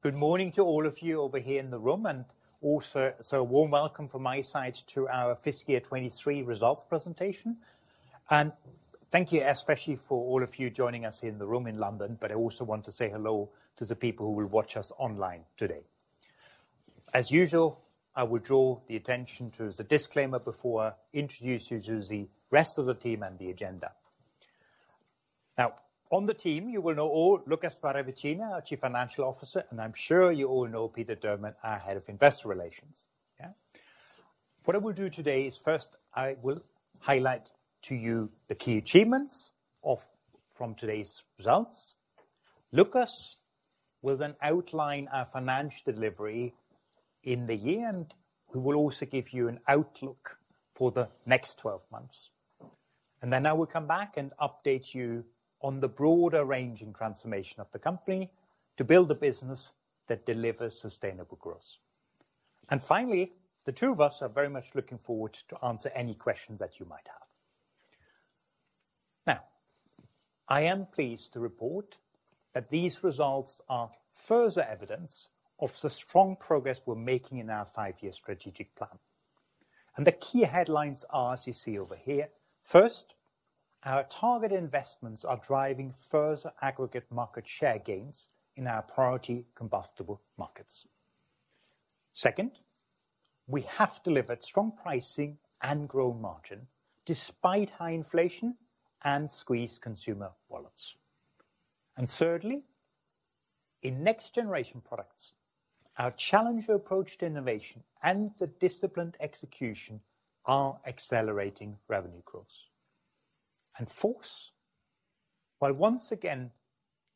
Good morning to all of you over here in the room, and also, so a warm welcome from my side to our fiscal 2023 results presentation. Thank you, especially for all of you joining us here in the room in London, but I also want to say hello to the people who will watch us online today. As usual, I will draw the attention to the disclaimer before I introduce you to the rest of the team and the agenda. Now, on the team, you will know all Lukas Paravicini, our Chief Financial Officer, and I'm sure you all know Peter Durman, our Head of Investor Relations. Yeah. What I will do today is first, I will highlight to you the key achievements of, from today's results. Lukas will then outline our financial delivery in the year, and we will also give you an outlook for the next 12 months. Then I will come back and update you on the broader range and transformation of the company to build a business that delivers sustainable growth. Finally, the two of us are very much looking forward to answer any questions that you might have. Now, I am pleased to report that these results are further evidence of the strong progress we're making in our 5-year strategic plan. The key headlines are, as you see over here: First, our target investments are driving further aggregate market share gains in our priority combustible markets. Second, we have delivered strong pricing and grown margin despite high inflation and squeezed consumer wallets. And thirdly, in Next Generation Products, our challenger approach to innovation and the disciplined execution are accelerating revenue growth. And fourth, while once again,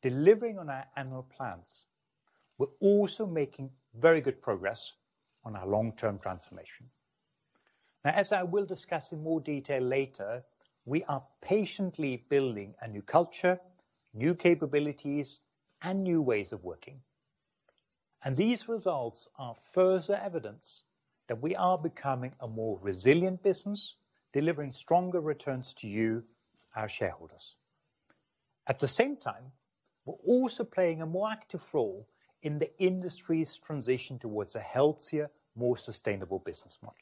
delivering on our annual plans, we're also making very good progress on our long-term transformation. Now, as I will discuss in more detail later, we are patiently building a new culture, new capabilities, and new ways of working. And these results are further evidence that we are becoming a more resilient business, delivering stronger returns to you, our shareholders. At the same time, we're also playing a more active role in the industry's transition towards a healthier, more sustainable business model.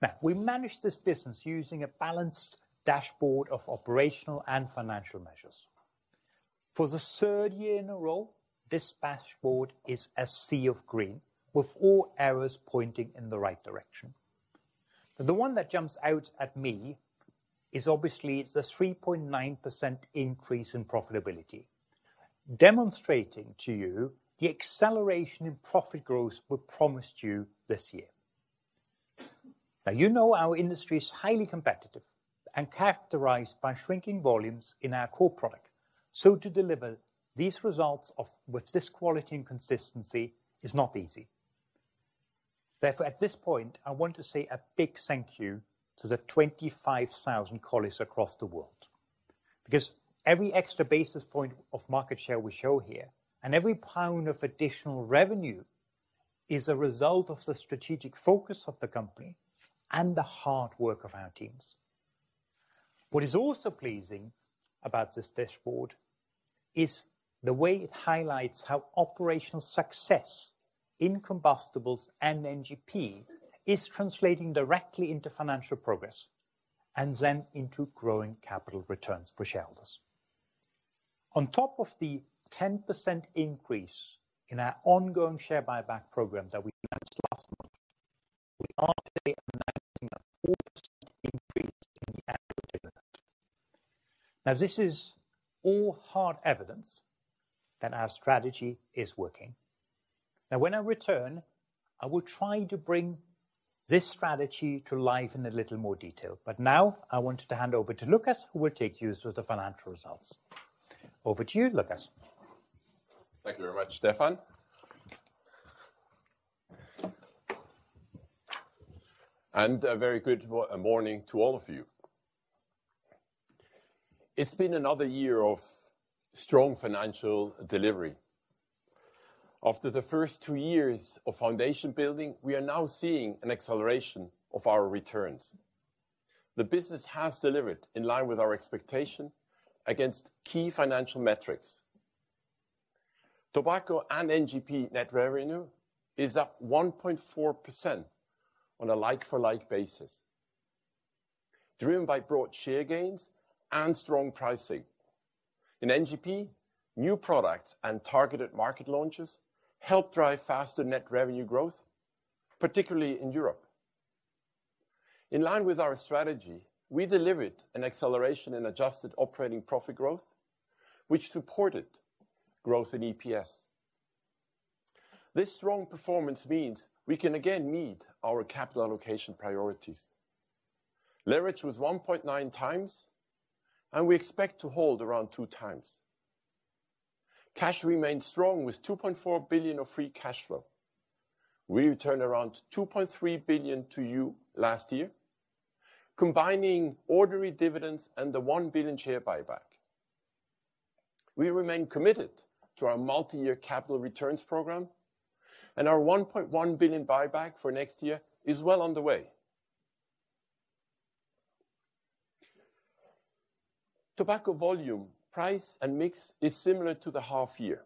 Now, we manage this business using a balanced dashboard of operational and financial measures. For the third year in a row, this dashboard is a sea of green, with all arrows pointing in the right direction. The one that jumps out at me is obviously the 3.9% increase in profitability, demonstrating to you the acceleration in profit growth we promised you this year. Now, you know our industry is highly competitive and characterized by shrinking volumes in our core product, so to deliver these results with this quality and consistency is not easy. Therefore, at this point, I want to say a big thank you to the 25,000 colleagues across the world, because every extra basis point of market share we show here, and every GBP of additional revenue is a result of the strategic focus of the company and the hard work of our teams. What is also pleasing about this dashboard is the way it highlights how operational success in Combustibles and NGP is translating directly into financial progress, and then into growing capital returns for shareholders. On top of the 10% increase in our ongoing share buyback program that we announced last month, we are today announcing a 4% increase in the average interim. Now, this is all hard evidence that our strategy is working. Now, when I return, I will try to bring this strategy to life in a little more detail. But now I wanted to hand over to Lukas, who will take you through the financial results. Over to you, Lukas. Thank you very much, Stefan. A very good morning to all of you. It's been another year of strong financial delivery. After the first two years of foundation building, we are now seeing an acceleration of our returns. The business has delivered in line with our expectation against key financial metrics. Tobacco and NGP net revenue is up 1.4% on a like-for-like basis, driven by broad share gains and strong pricing. In NGP, new products and targeted market launches helped drive faster net revenue growth, particularly in Europe. In line with our strategy, we delivered an acceleration in adjusted operating profit growth, which supported growth in EPS. This strong performance means we can again meet our capital allocation priorities. Leverage was 1.9x, and we expect to hold around 2x. Cash remains strong, with 2.4 billion of free cash flow. We returned around 2.3 billion to you last year, combining ordinary dividends and the 1 billion share buyback. We remain committed to our multi-year capital returns program, and our 1.1 billion buyback for next year is well on the way. Tobacco volume, price, and mix is similar to the half year.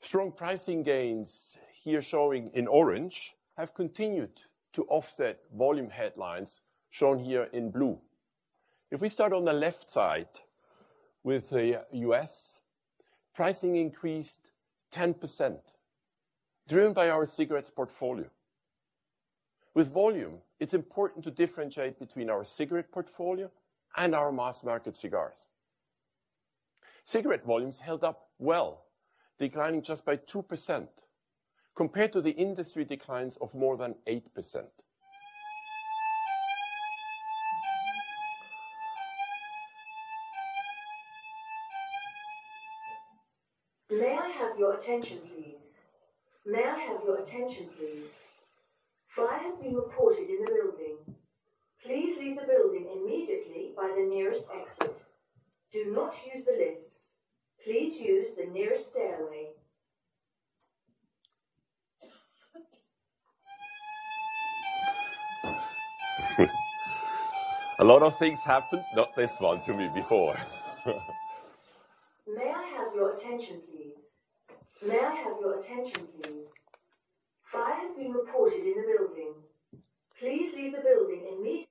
Strong pricing gains, here showing in orange, have continued to offset volume headlines, shown here in blue. If we start on the left side with the U.S., pricing increased 10%, driven by our cigarettes portfolio. With volume, it's important to differentiate between our cigarette portfolio and our mass-market cigars. Cigarette volumes held up well, declining just by 2% compared to the industry declines of more than 8%. May I have your attention, please? May I have your attention, please? Fire has been reported in the building. Please leave the building immediately by the nearest exit. Do not use the lifts. Please use the nearest stairway. A lot of things happened, not this one, to me before. May I have your attention, please? May I have your attention, please? Fire has been reported in the building. Please leave the building immedi-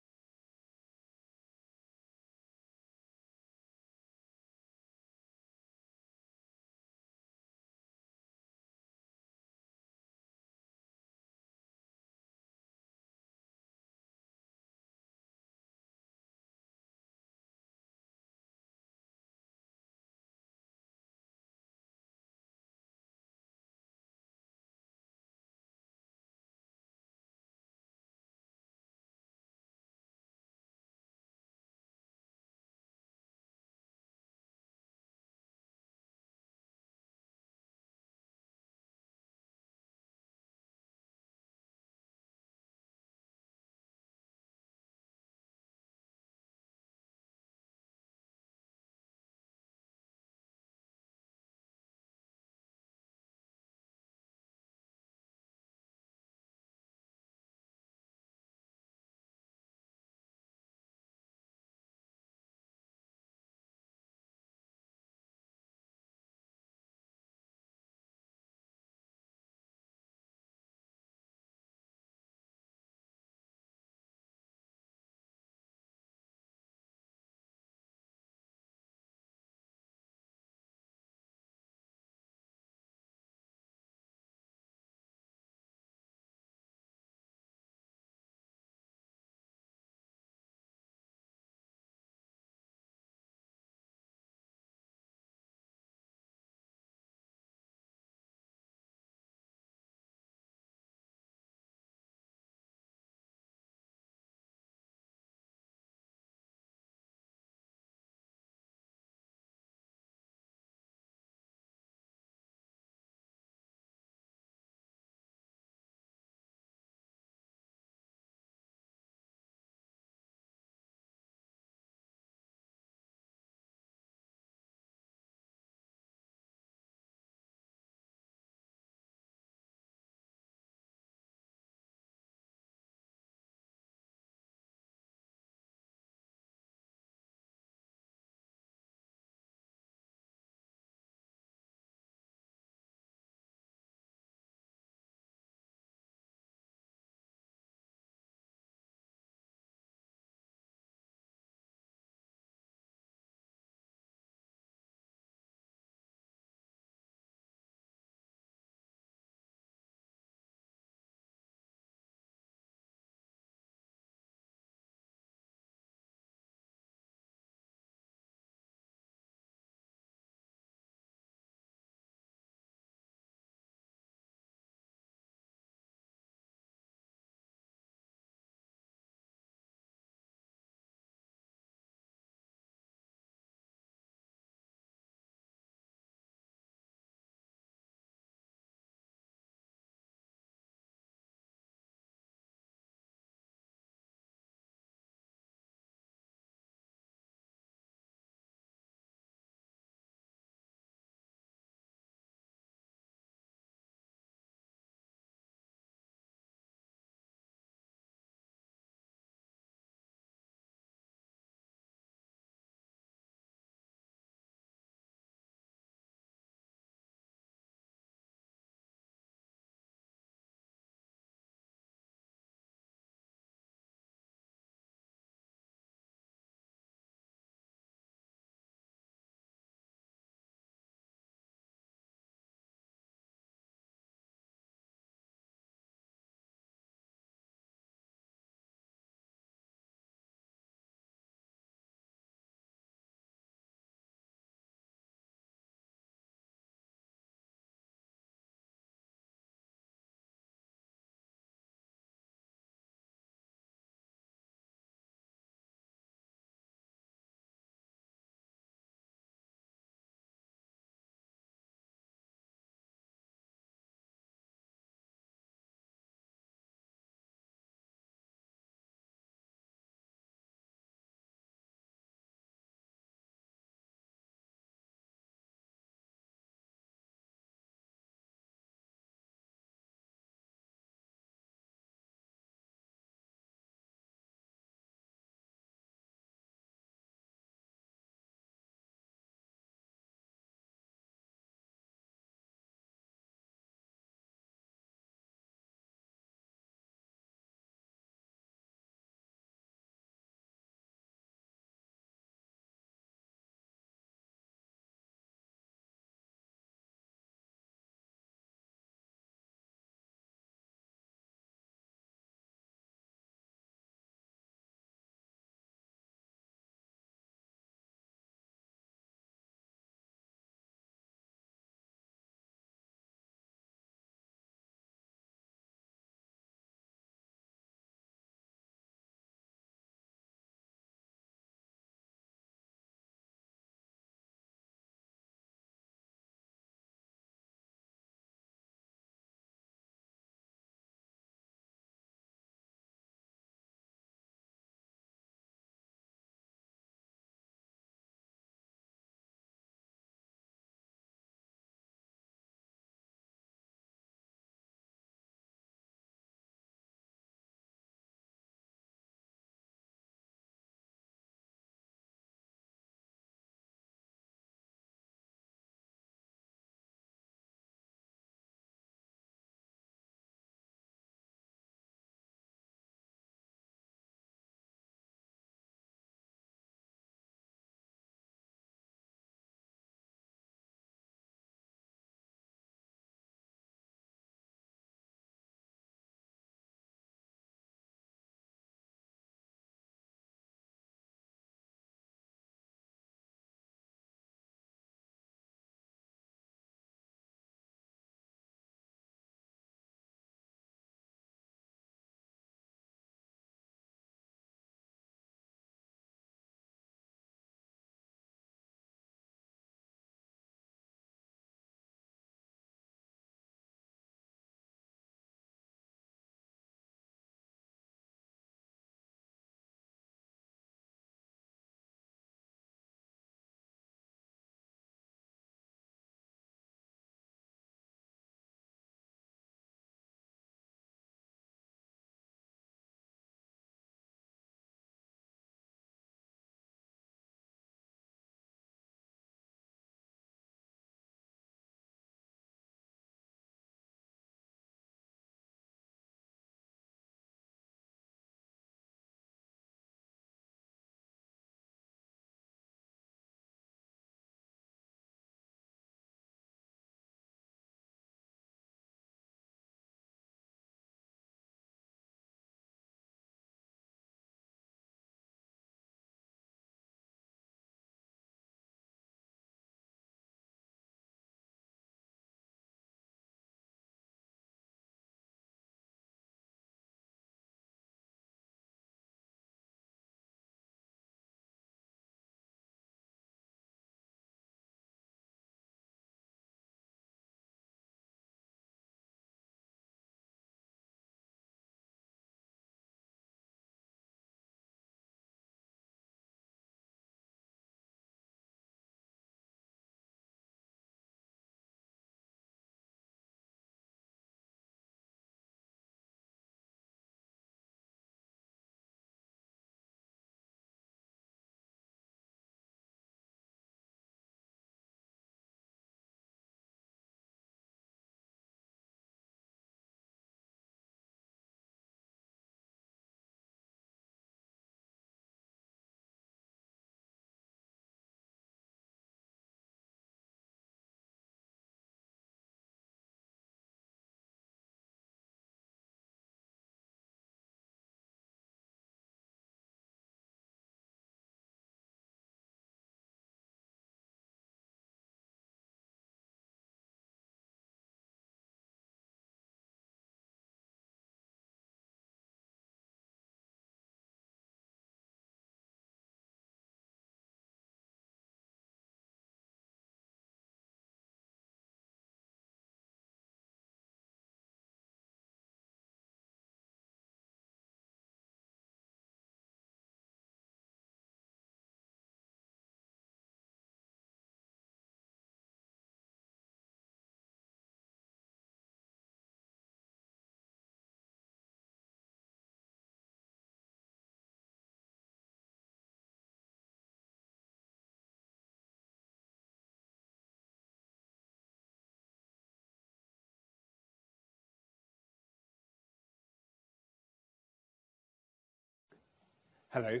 Hello.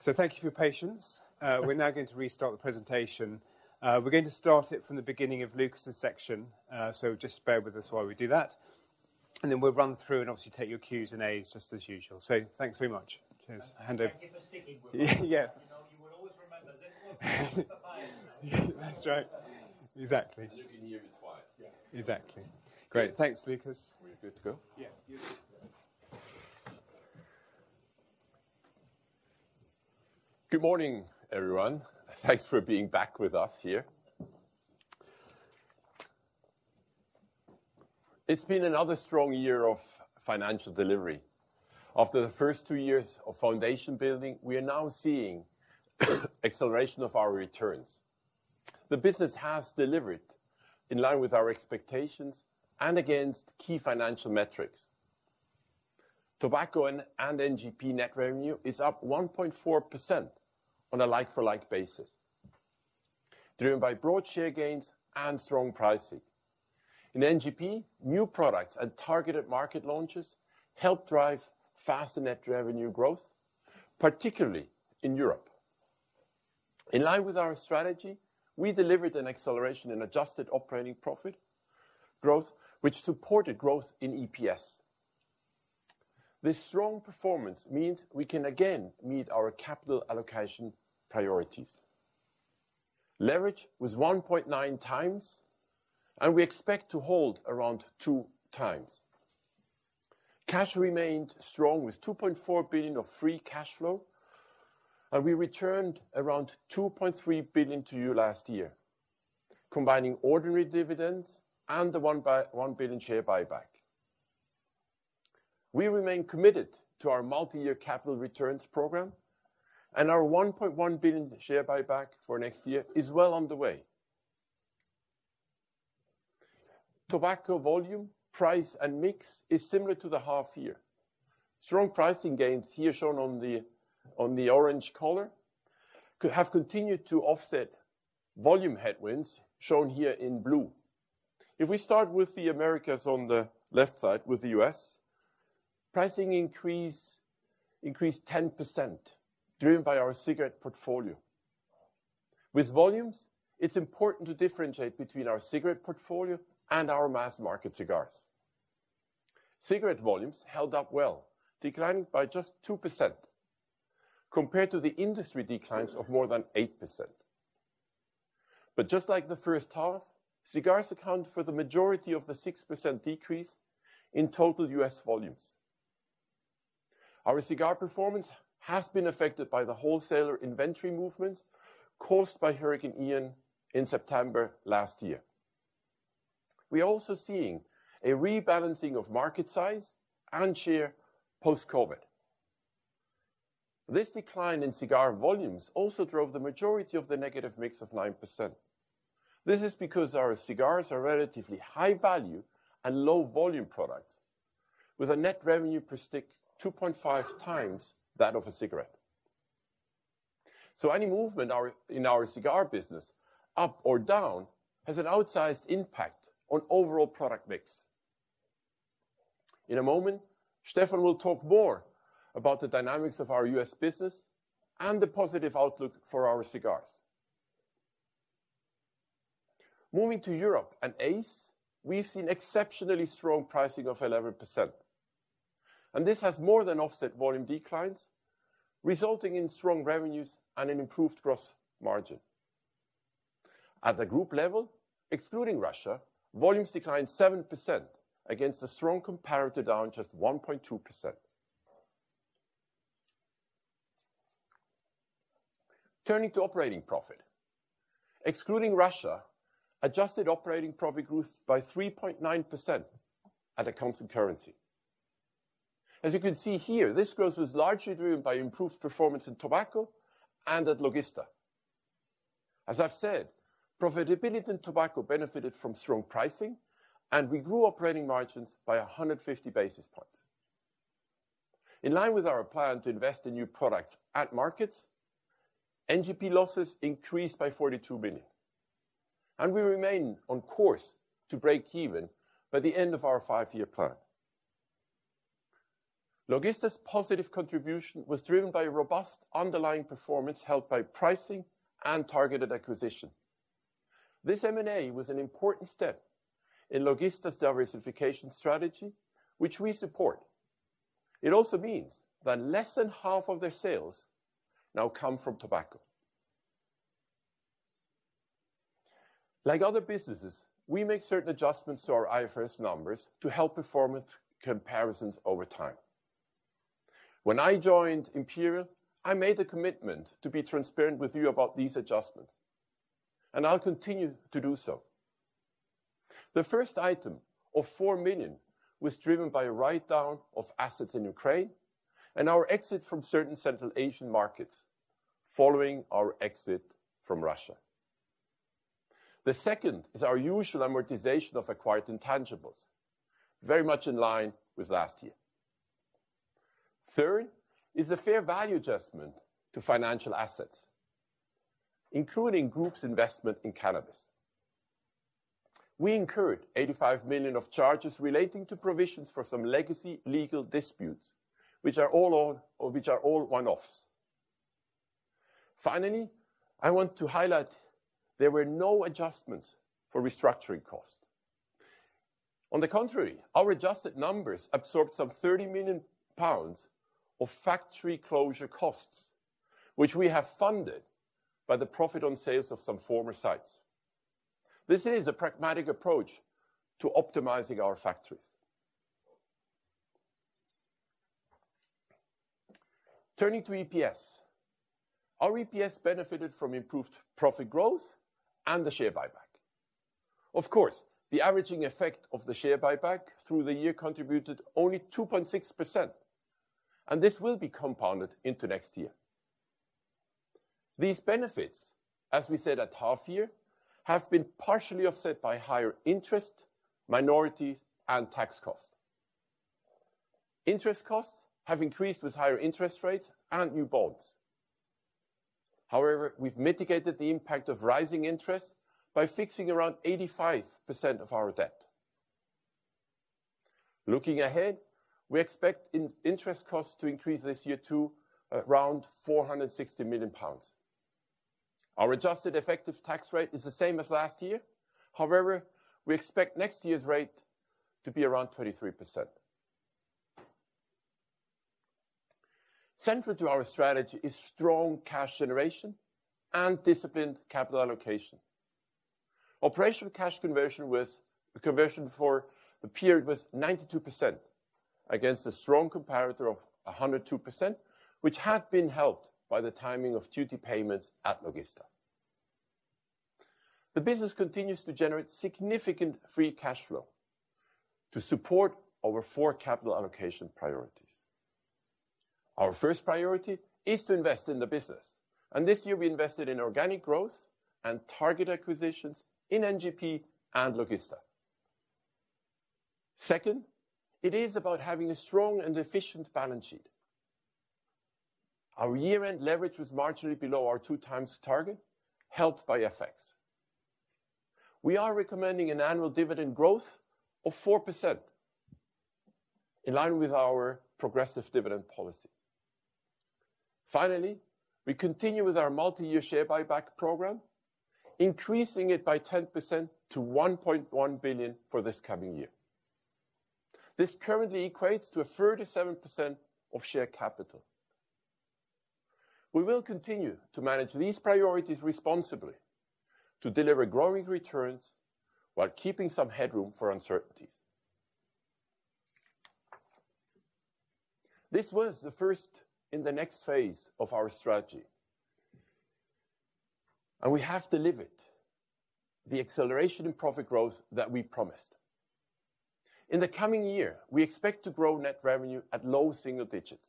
So thank you for your patience. We're now going to restart the presentation. We're going to start it from the beginning of Lukas's section. So just bear with us while we do that, and then we'll run through and obviously take your Qs and As just as usual. So thanks very much. Cheers. Hand over. Thank you for sticking with us. Yeah. You know, you will always remember this one. Buy it. That's right. Exactly. You can hear it twice. Yeah. Exactly. Great. Thanks, Lukas. We good to go? Yeah. Good morning, everyone. Thanks for being back with us here. It's been another strong year of financial delivery. After the first two years of foundation building, we are now seeing acceleration of our returns. The business has delivered in line with our expectations and against key financial metrics. Tobacco and NGP net revenue is up 1.4% on a like-for-like basis, driven by broad share gains and strong pricing. In NGP, new products and targeted market launches helped drive faster net revenue growth, particularly in Europe. In line with our strategy, we delivered an acceleration in adjusted operating profit growth, which supported growth in EPS. This strong performance means we can again meet our capital allocation priorities. Leverage was 1.9x, and we expect to hold around 2x. Cash remained strong with 2.4 billion of free cash flow, and we returned around 2.3 billion to you last year, combining ordinary dividends and the 1 billion share buyback. We remain committed to our multi-year capital returns program, and our 1.1 billion share buyback for next year is well on the way. Tobacco volume, price, and mix is similar to the half year. Strong pricing gains here shown on the orange color have continued to offset volume headwinds, shown here in blue. If we start with the Americas on the left side, with the U.S., pricing increased 10%, driven by our cigarette portfolio. With volumes, it's important to differentiate between our cigarette portfolio and our mass market cigars. Cigarette volumes held up well, declining by just 2%, compared to the industry declines of more than 8%. But just like the first half, cigars account for the majority of the 6% decrease in total U.S. volumes. Our cigar performance has been affected by the wholesaler inventory movements caused by Hurricane Ian in September last year. We are also seeing a rebalancing of market size and share post-COVID. This decline in cigar volumes also drove the majority of the negative mix of 9%. This is because our cigars are relatively high value and low volume products, with a net revenue per stick 2.5x that of a cigarette. So any movement in our cigar business, up or down, has an outsized impact on overall product mix. In a moment, Stefan will talk more about the dynamics of our U.S. business and the positive outlook for our cigars. Moving to Europe and AAA, we've seen exceptionally strong pricing of 11%, and this has more than offset volume declines, resulting in strong revenues and an improved gross margin. At the group level, excluding Russia, volumes declined 7% against a strong comparator, down just 1.2%. Turning to operating profit, excluding Russia, adjusted operating profit grew by 3.9% at a constant currency. As you can see here, this growth was largely driven by improved performance in tobacco and at Logista. As I've said, profitability in tobacco benefited from strong pricing, and we grew operating margins by 150 basis points. In line with our plan to invest in new products at markets, NGP losses increased by 42 million, and we remain on course to break even by the end of our five-year plan. Logista's positive contribution was driven by robust underlying performance, helped by pricing and targeted acquisition. This M&A was an important step in Logista's diversification strategy, which we support. It also means that less than half of their sales now come from tobacco. Like other businesses, we make certain adjustments to our IFRS numbers to help performance comparisons over time. When I joined Imperial, I made a commitment to be transparent with you about these adjustments, and I'll continue to do so. The first item of 4 million was driven by a write-down of assets in Ukraine and our exit from certain Central Asian markets following our exit from Russia. The second is our usual amortization of acquired intangibles, very much in line with last year. Third is the fair value adjustment to financial assets, including group's investment in cannabis. We incurred 85 million of charges relating to provisions for some legacy legal disputes, which are all one-offs. Finally, I want to highlight there were no adjustments for restructuring costs. On the contrary, our adjusted numbers absorbed some 30 million pounds of factory closure costs, which we have funded by the profit on sales of some former sites. This is a pragmatic approach to optimizing our factories. Turning to EPS. Our EPS benefited from improved profit growth and the share buyback. Of course, the averaging effect of the share buyback through the year contributed only 2.6%, and this will be compounded into next year. These benefits, as we said at half year, have been partially offset by higher interest, minorities, and tax costs. Interest costs have increased with higher interest rates and new bonds. However, we've mitigated the impact of rising interest by fixing around 85% of our debt. Looking ahead, we expect interest costs to increase this year to around 460 million pounds. Our adjusted effective tax rate is the same as last year. However, we expect next year's rate to be around 23%. Central to our strategy is strong cash generation and disciplined capital allocation. Operational cash conversion was, the conversion for the period, was 92%, against a strong comparator of 102%, which had been helped by the timing of duty payments at Logista. The business continues to generate significant free cash flow to support our four capital allocation priorities. Our first priority is to invest in the business, and this year we invested in organic growth and target acquisitions in NGP and Logista. Second, it is about having a strong and efficient balance sheet. Our year-end leverage was marginally below our 2x target, helped by FX. We are recommending an annual dividend growth of 4% in line with our progressive dividend policy. Finally, we continue with our multi-year share buyback program, increasing it by 10% to 1.1 billion for this coming year. This currently equates to 37% of share capital. We will continue to manage these priorities responsibly, to deliver growing returns, while keeping some headroom for uncertainties. This was the first in the next phase of our strategy, and we have delivered the acceleration in profit growth that we promised. In the coming year, we expect to grow net revenue at low single digits,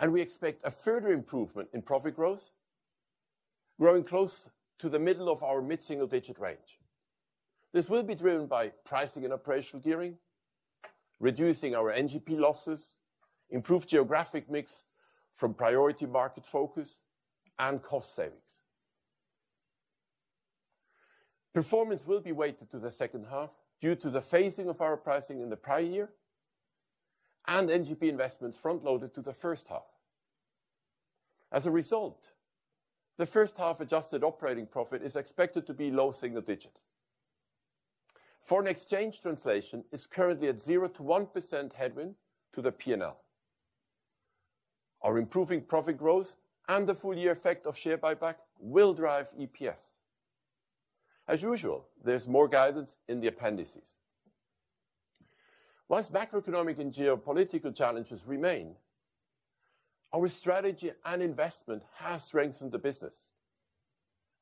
and we expect a further improvement in profit growth, growing close to the middle of our mid-single-digit range. This will be driven by pricing and operational gearing, reducing our NGP losses, improved geographic mix from priority market focus, and cost savings. Performance will be weighted to the second half due to the phasing of our pricing in the prior year and NGP investments front-loaded to the first half. As a result, the first-half adjusted operating profit is expected to be low single digits. Foreign exchange translation is currently at 0%-1% headwind to the P&L. Our improving profit growth and the full year effect of share buyback will drive EPS. As usual, there's more guidance in the appendices. Whilst macroeconomic and geopolitical challenges remain, our strategy and investment has strengthened the business,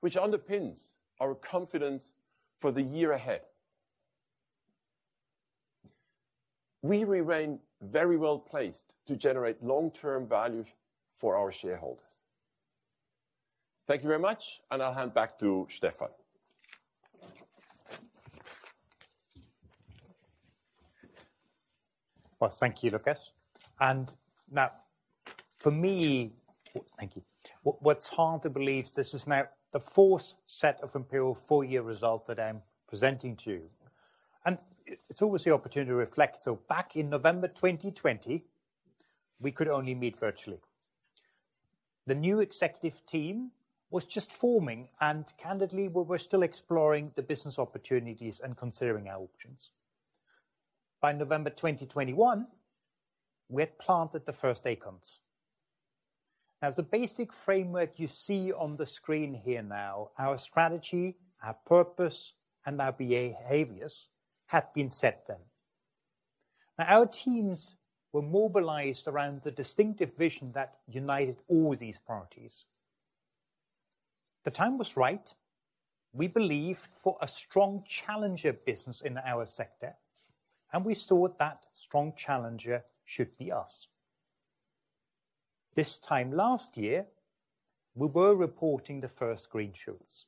which underpins our confidence for the year ahead. We remain very well placed to generate long-term value for our shareholders. Thank you very much, and I'll hand back to Stefan. Well, thank you, Lukas. And now, for me, thank you. What's hard to believe, this is now the fourth set of Imperial full year results that I'm presenting to you, and it's always the opportunity to reflect. So back in November 2020, we could only meet virtually. The new executive team was just forming, and candidly, we were still exploring the business opportunities and considering our options. By November 2021, we had planted the first acorns. Now, the basic framework you see on the screen here now, our strategy, our purpose, and our behaviors had been set then. Now, our teams were mobilized around the distinctive vision that united all these priorities. The time was right, we believed, for a strong challenger business in our sector, and we thought that strong challenger should be us. This time last year, we were reporting the first green shoots.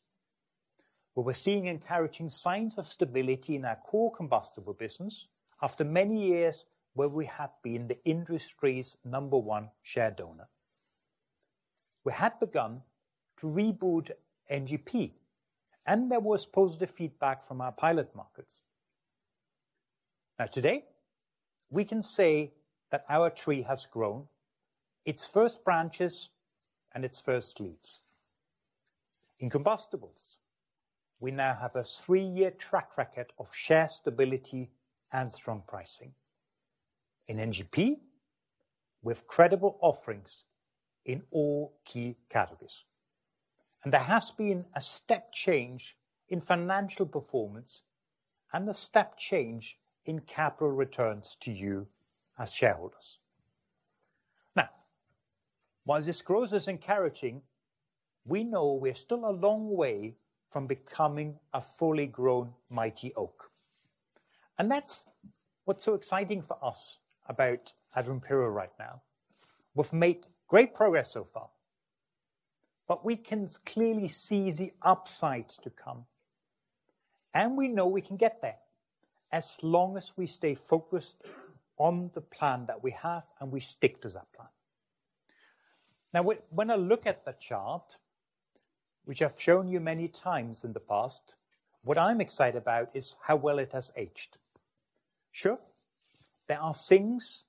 We were seeing encouraging signs of stability in our core combustible business after many years, where we have been the industry's number one share donor. We had begun to reboot NGP, and there was positive feedback from our pilot markets. Now, today, we can say that our tree has grown its first branches and its first leaves. In Combustibles, we now have a three-year track record of share stability and strong pricing. In NGP, with credible offerings in all key categories, and there has been a step change in financial performance and a step change in capital returns to you as shareholders. Now, while this growth is encouraging, we know we're still a long way from becoming a fully grown, mighty oak, and that's what's so exciting for us about at Imperial right now. We've made great progress so far, but we can clearly see the upsides to come, and we know we can get there as long as we stay focused on the plan that we have, and we stick to that plan. Now, when I look at the chart, which I've shown you many times in the past, what I'm excited about is how well it has aged. Sure, there are things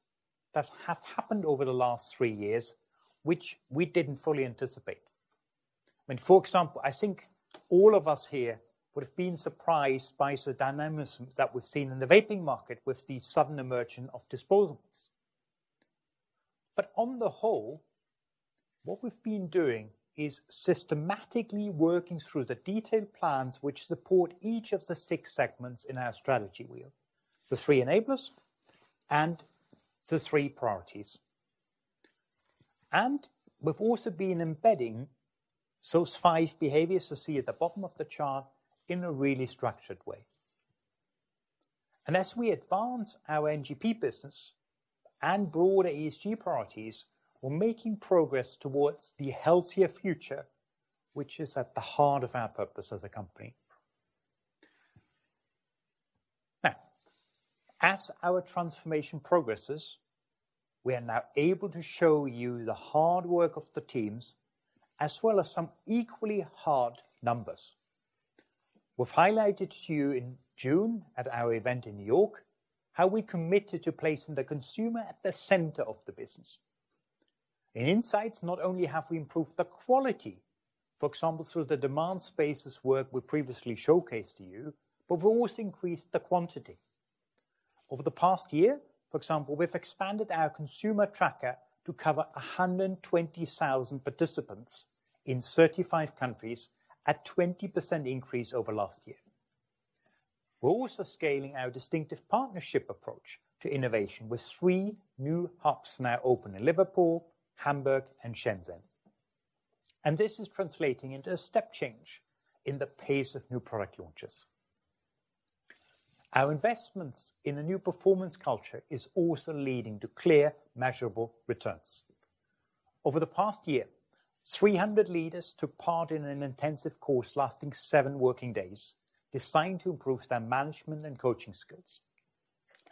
that have happened over the last three years which we didn't fully anticipate. I mean, for example, I think all of us here would have been surprised by the dynamism that we've seen in the vaping market with the sudden emergence of disposables. But on the whole, what we've been doing is systematically working through the detailed plans, which support each of the six segments in our strategy wheel: the three enablers and the three priorities. We've also been embedding those five behaviors you see at the bottom of the chart in a really structured way. As we advance our NGP business and broader ESG priorities, we're making progress towards the healthier future, which is at the heart of our purpose as a company. Now, as our transformation progresses, we are now able to show you the hard work of the teams, as well as some equally hard numbers. We've highlighted to you in June, at our event in New York, how we committed to placing the consumer at the center of the business. In insights, not only have we improved the quality, for example, through the demand spaces work we previously showcased to you, but we've also increased the quantity. Over the past year, for example, we've expanded our consumer tracker to cover 120,000 participants in 35 countries, a 20% increase over last year. We're also scaling our distinctive partnership approach to innovation, with three new hubs now open in Liverpool, Hamburg, and Shenzhen, and this is translating into a step change in the pace of new product launches. Our investments in the new performance culture is also leading to clear, measurable returns. Over the past year, 300 leaders took part in an intensive course, lasting seven working days, designed to improve their management and coaching skills.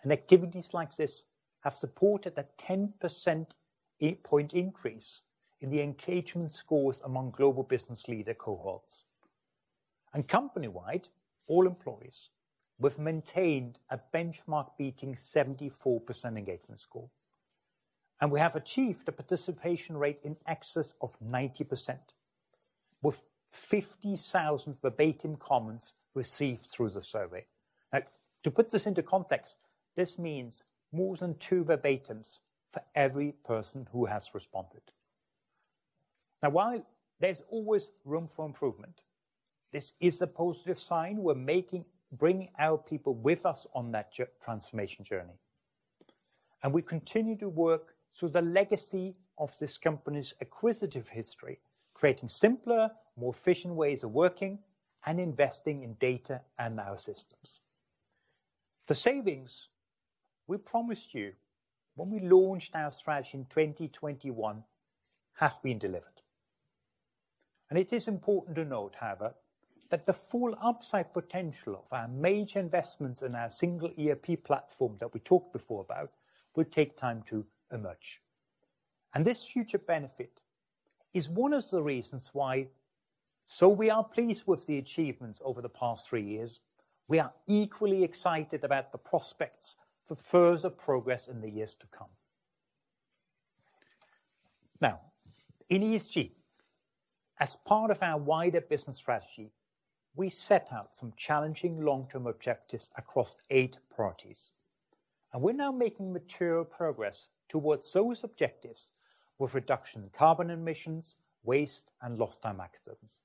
And activities like this have supported a 10.8-point increase in the engagement scores among global business leader cohorts. Company-wide, all employees, we've maintained a benchmark-beating 74% engagement score, and we have achieved a participation rate in excess of 90%, with 50,000 verbatim comments received through the survey. Now, to put this into context, this means more than two verbatims for every person who has responded. Now, while there's always room for improvement, this is a positive sign we're making, bringing our people with us on that transformation journey, and we continue to work through the legacy of this company's acquisitive history, creating simpler, more efficient ways of working and investing in data and our systems. The savings we promised you when we launched our strategy in 2021 has been delivered... and it is important to note, however, that the full upside potential of our major investments in our single ERP platform that we talked before about, will take time to emerge. This future benefit is one of the reasons why, so we are pleased with the achievements over the past three years, we are equally excited about the prospects for further progress in the years to come. Now, in ESG, as part of our wider business strategy, we set out some challenging long-term objectives across eight priorities, and we're now making material progress towards those objectives with reduction in carbon emissions, waste, and lost time accidents.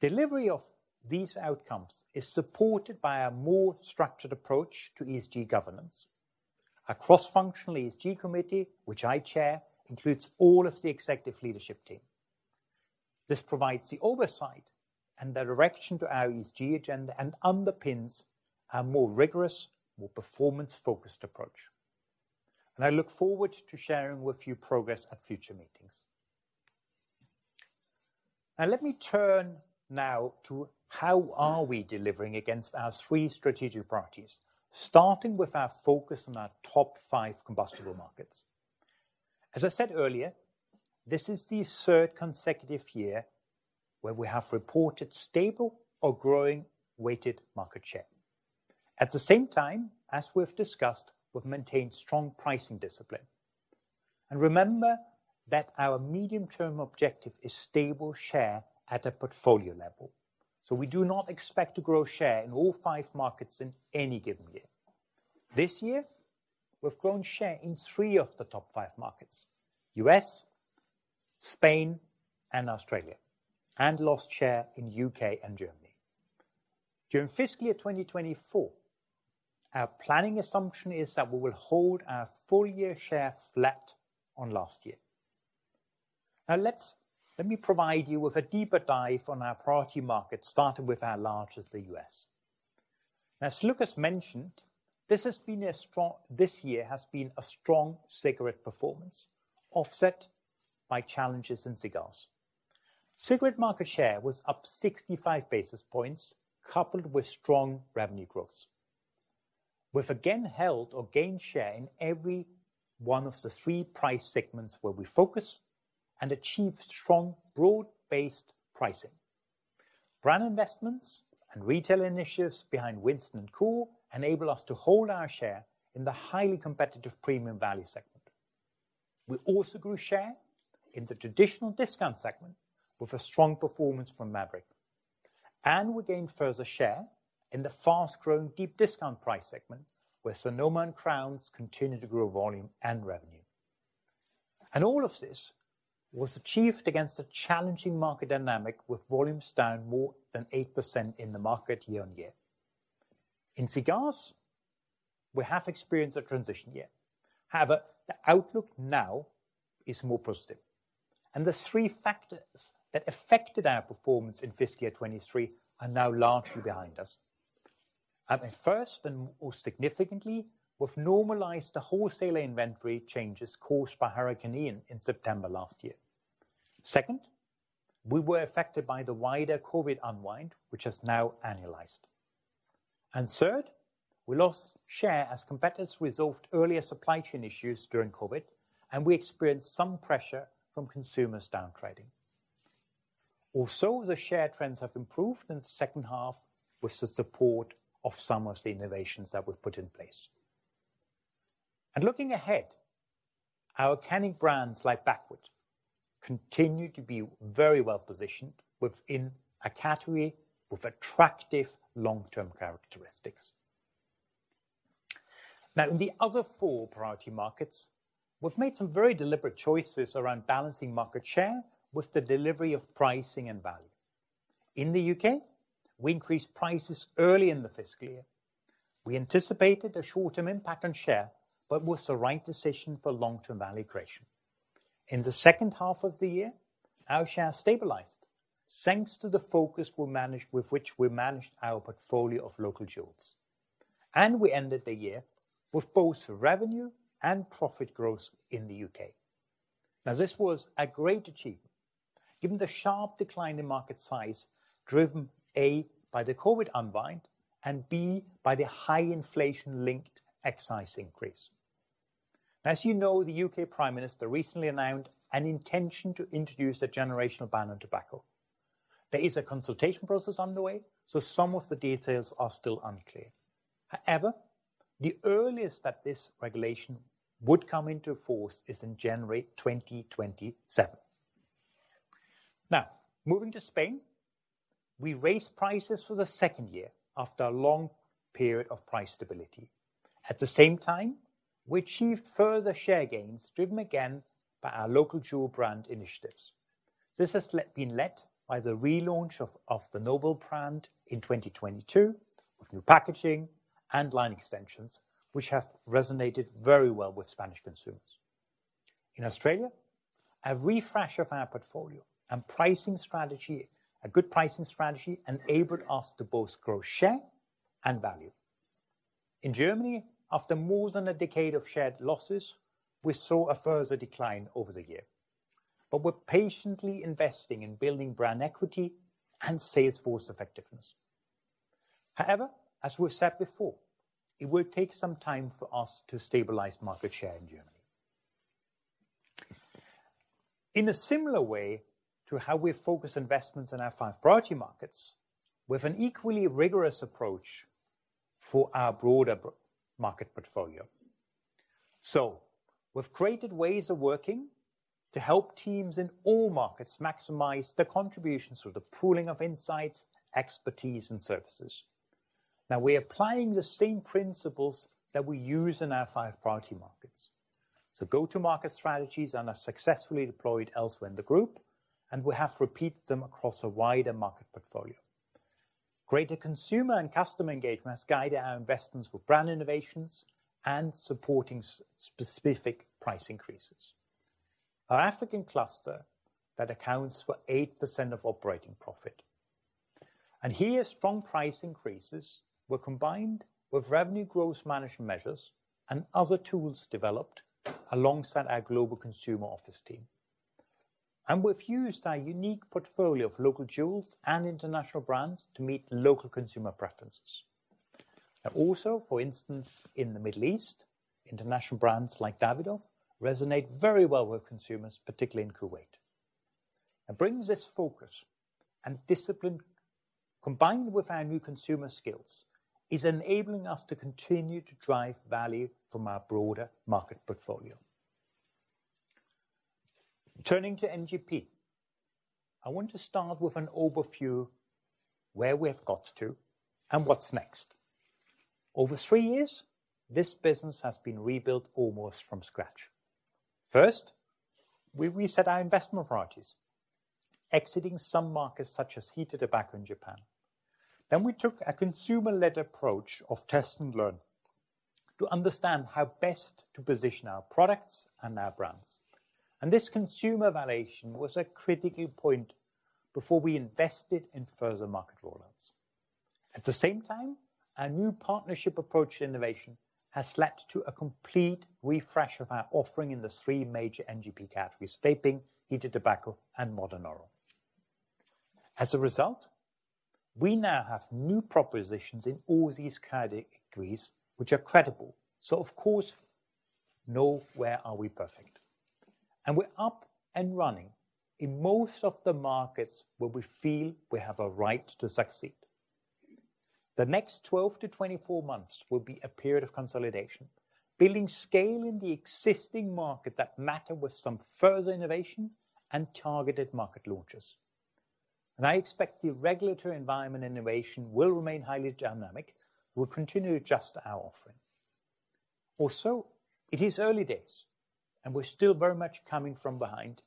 Delivery of these outcomes is supported by a more structured approach to ESG governance. A cross-functional ESG committee, which I chair, includes all of the executive leadership team. This provides the oversight and the direction to our ESG agenda and underpins our more rigorous, more performance-focused approach. I look forward to sharing with you progress at future meetings. Now, let me turn now to how we are delivering against our three strategic priorities, starting with our focus on our top five combustible markets. As I said earlier, this is the third consecutive year where we have reported stable or growing weighted market share. At the same time, as we've discussed, we've maintained strong pricing discipline. Remember that our medium-term objective is stable share at a portfolio level, so we do not expect to grow share in all five markets in any given year. This year, we've grown share in three of the top five markets: US, Spain, and Australia, and lost share in U.K. and Germany. During fiscal year 2024, our planning assumption is that we will hold our full year share flat on last year. Now let me provide you with a deeper dive on our priority markets, starting with our largest, the U.S. As Lukas mentioned, this year has been a strong cigarette performance, offset by challenges in cigars. Cigarette market share was up 65 basis points, coupled with strong revenue growth. We've again held or gained share in every one of the three price segments where we focus and achieved strong, broad-based pricing. Brand investments and retail initiatives behind Winston and Kool enabled us to hold our share in the highly competitive premium value segment. We also grew share in the traditional discount segment with a strong performance from Maverick, and we gained further share in the fast-growing, deep discount price segment, where Sonoma and Crowns continued to grow volume and revenue. And all of this was achieved against a challenging market dynamic, with volumes down more than 8% in the market year-on-year. In cigars, we have experienced a transition year. However, the outlook now is more positive, and the three factors that affected our performance in fiscal year 2023 are now largely behind us. The first, and most significantly, we've normalized the wholesaler inventory changes caused by Hurricane Ian in September last year. Second, we were affected by the wider COVID unwind, which has now annualized. Third, we lost share as competitors resolved earlier supply chain issues during COVID, and we experienced some pressure from consumers down trading. Also, the share trends have improved in the second half with the support of some of the innovations that we've put in place. Looking ahead, our cigar brands like Backwoods continue to be very well positioned within a category with attractive long-term characteristics. Now, in the other four priority markets, we've made some very deliberate choices around balancing market share with the delivery of pricing and value. In the U.K., we increased prices early in the fiscal year. We anticipated a short-term impact on share, but was the right decision for long-term value creation. In the second half of the year, our share stabilized, thanks to the focus with which we managed our portfolio of Local Jewels. We ended the year with both revenue and profit growth in the U.K. Now, this was a great achievement, given the sharp decline in market size, driven, A, by the COVID Unwind, and B, by the high inflation-linked excise increase. As you know, the U.K. Prime Minister recently announced an intention to introduce a generational ban on tobacco. There is a consultation process underway, so some of the details are still unclear. However, the earliest that this regulation would come into force is in January 2027. Now, moving to Spain, we raised prices for the second year after a long period of price stability. At the same time, we achieved further share gains, driven again by our Local Jewels brand initiatives. This has been led by the relaunch of the Noble brand in 2022, with new packaging and line extensions, which have resonated very well with Spanish consumers. In Australia, a refresh of our portfolio and pricing strategy, a good pricing strategy, enabled us to both grow share and value. In Germany, after more than a decade of share losses, we saw a further decline over the year. But we're patiently investing in building brand equity and sales force effectiveness. However, as we've said before, it will take some time for us to stabilize market share in Germany. In a similar way to how we focus investments in our five priority markets, we have an equally rigorous approach for our broader market portfolio. So we've created ways of working to help teams in all markets maximize their contributions through the pooling of insights, expertise, and services. Now we're applying the same principles that we use in our five priority markets. So go-to-market strategies and are successfully deployed elsewhere in the group, and we have repeated them across a wider market portfolio. Greater consumer and customer engagement has guided our investments with brand innovations and supporting specific price increases. Our African cluster, that accounts for 8% of operating profit, and here, strong price increases were combined with Revenue Growth Management measures and other tools developed alongside our global consumer office team. We've used our unique portfolio of Local Jewels and international brands to meet local consumer preferences. Now, also, for instance, in the Middle East, international brands like Davidoff resonate very well with consumers, particularly in Kuwait. It brings this focus and discipline, combined with our new consumer skills, is enabling us to continue to drive value from our broader market portfolio. Turning to NGP, I want to start with an overview where we have got to and what's next. Over three years, this business has been rebuilt almost from scratch. First, we reset our investment priorities, exiting some markets such as Heated Tobacco in Japan. Then we took a consumer-led approach of test and learn to understand how best to position our products and our brands. And this consumer evaluation was a critical point before we invested in further market rollouts. At the same time, our new partnership approach to innovation has led to a complete refresh of our offering in the three major NGP categories: vaping, Heated Tobacco, and modern oral. As a result, we now have new propositions in all these categories, which are credible. Of course, nowhere are we perfect. We're up and running in most of the markets where we feel we have a right to succeed. The next 12-24 months will be a period of consolidation, building scale in the existing market that matter with some further innovation and targeted market launches. I expect the regulatory environment innovation will remain highly dynamic. We'll continue to adjust our offering. Also, it is early days, and we're still very much coming from behind.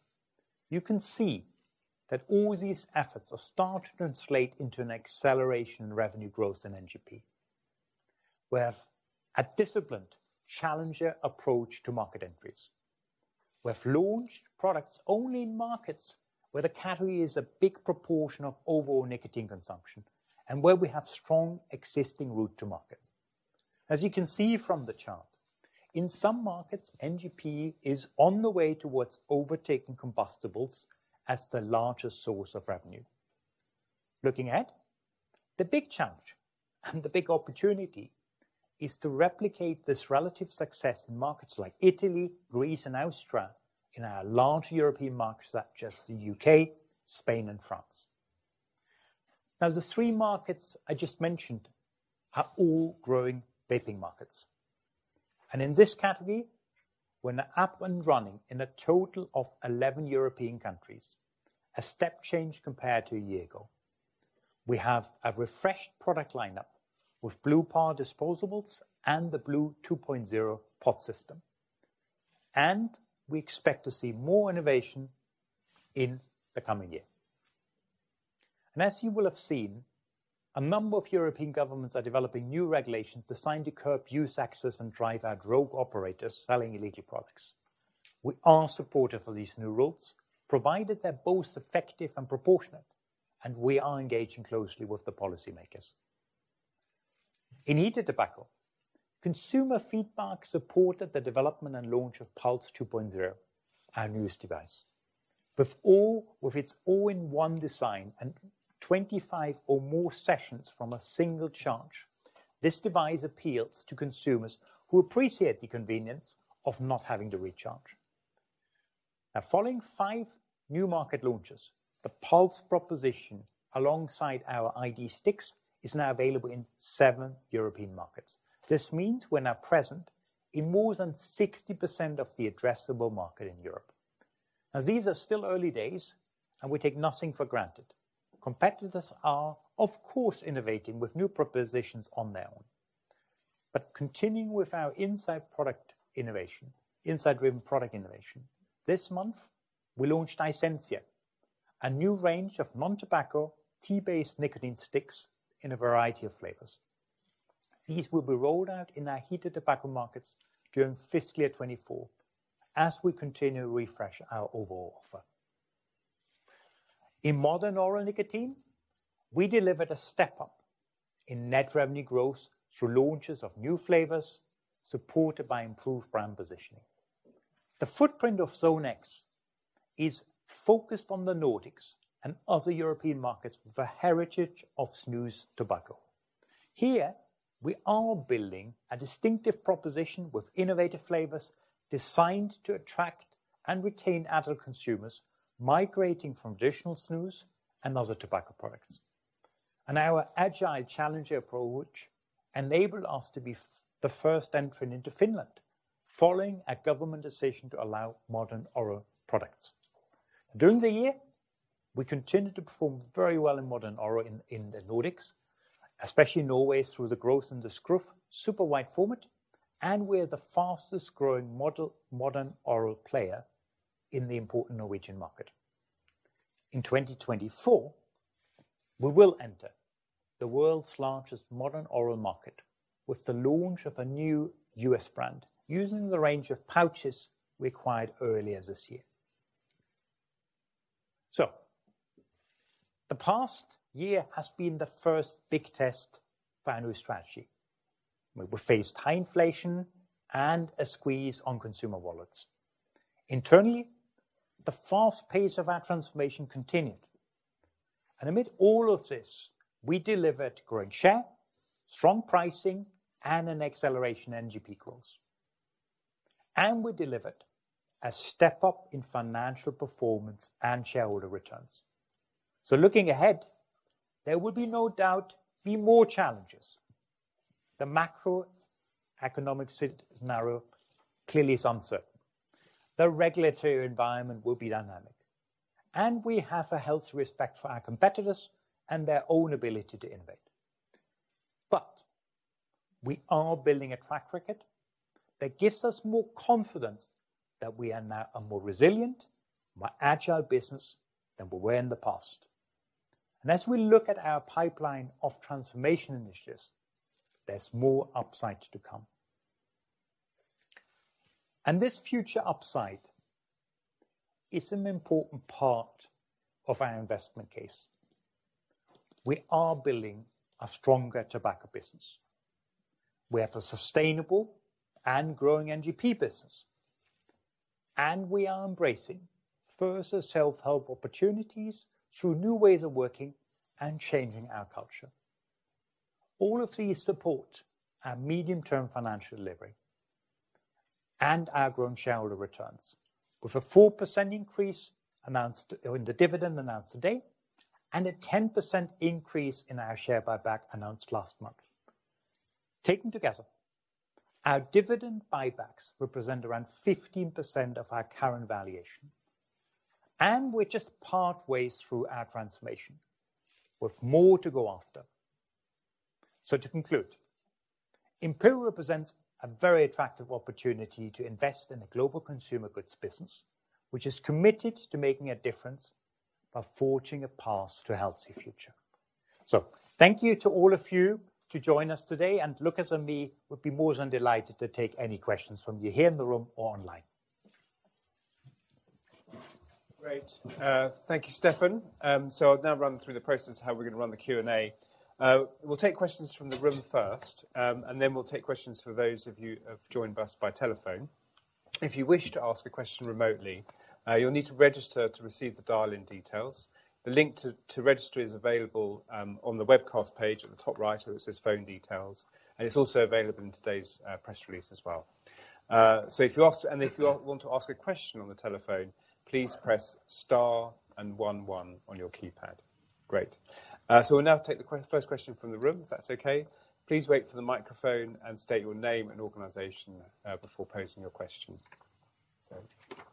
You can see that all these efforts are starting to translate into an acceleration in revenue growth in NGP. We have a disciplined challenger approach to market entries. We have launched products only in markets where the category is a big proportion of overall nicotine consumption and where we have strong existing route to market. As you can see from the chart, in some markets, NGP is on the way towards overtaking Combustibles as the largest source of revenue. Looking ahead, the big challenge and the big opportunity is to replicate this relative success in markets like Italy, Greece, and Austria, in our large European markets such as the U.K., Spain, and France. Now, the three markets I just mentioned are all growing vaping markets, and in this category, we're now up and running in a total of 11 European countries, a step change compared to a year ago. We have a refreshed product lineup with blu bar disposables and the blu 2.0 pod system, and we expect to see more innovation in the coming year. As you will have seen, a number of European governments are developing new regulations designed to curb use, access, and drive out rogue operators selling illegal products. We are supportive of these new rules, provided they're both effective and proportionate, and we are engaging closely with the policymakers. In Heated Tobacco, consumer feedback supported the development and launch of Pulze 2.0, our newest device. With its all-in-one design and 25 or more sessions from a single charge, this device appeals to consumers who appreciate the convenience of not having to recharge. Now, following 5 new market launches, the Pulze proposition, alongside our iD sticks, is now available in seven European markets. This means we're now present in more than 60% of the addressable market in Europe. Now, these are still early days, and we take nothing for granted. Competitors are, of course, innovating with new propositions on their own. But continuing with our inside product innovation, inside-driven product innovation, this month, we launched iSenzia, a new range of non-tobacco, tea-based nicotine sticks in a variety of flavors. These will be rolled out in our Heated Tobacco markets during fiscal year 2024 as we continue to refresh our overall offer. In modern oral nicotine, we delivered a step up in net revenue growth through launches of new flavors, supported by improved brand positioning. The footprint of Zone X is focused on the Nordics and other European markets with a heritage of Snus tobacco. Here, we are building a distinctive proposition with innovative flavors designed to attract and retain adult consumers, migrating from traditional Snus and other tobacco products. Our agile challenger approach enabled us to be the first entrant into Finland, following a government decision to allow modern oral products. During the year, we continued to perform very well in modern oral in the Nordics, especially Norway, through the growth in the Skruf Super White format, and we're the fastest growing modern oral player in the important Norwegian market. In 2024, we will enter the world's largest modern oral market with the launch of a new U.S. brand, using the range of pouches we acquired earlier this year. The past year has been the first big test for our new strategy. We faced high inflation and a squeeze on consumer wallets. Internally, the fast pace of our transformation continued, and amid all of this, we delivered growing share, strong pricing, and an acceleration in NGP growth. We delivered a step up in financial performance and shareholder returns. Looking ahead, there will be no doubt be more challenges. The macroeconomic scenario clearly is uncertain. The regulatory environment will be dynamic, and we have a healthy respect for our competitors and their own ability to innovate. We are building a track record that gives us more confidence that we are now a more resilient, more agile business than we were in the past. As we look at our pipeline of transformation initiatives, there's more upside to come. This future upside is an important part of our investment case. We are building a stronger tobacco business, with a sustainable and growing NGP business, and we are embracing further self-help opportunities through new ways of working and changing our culture. All of these support our medium-term financial delivery and our growing shareholder returns, with a 4% increase announced... in the dividend announced today, and a 10% increase in our share buyback announced last month. Taken together, our dividend buybacks represent around 15% of our current valuation, and we're just partway through our transformation, with more to go after. So to conclude, Imperial represents a very attractive opportunity to invest in a global consumer goods business, which is committed to making a difference by forging a path to a healthy future. Thank you to all of you to join us today, and Lukas and me would be more than delighted to take any questions from you here in the room or online. Great. Thank you, Stefan. I'll now run through the process of how we're going to run the Q&A. We'll take questions from the room first, and then we'll take questions for those of you who have joined us by telephone. If you wish to ask a question remotely, you'll need to register to receive the dial-in details. The link to register is available on the webcast page. At the top right, it says Phone Details, and it's also available in today's press release as well. If you want to ask a question on the telephone, please press star and 1 1 on your keypad. Great. We'll now take the first question from the room, if that's okay. Please wait for the microphone and state your name and organization before posing your question. So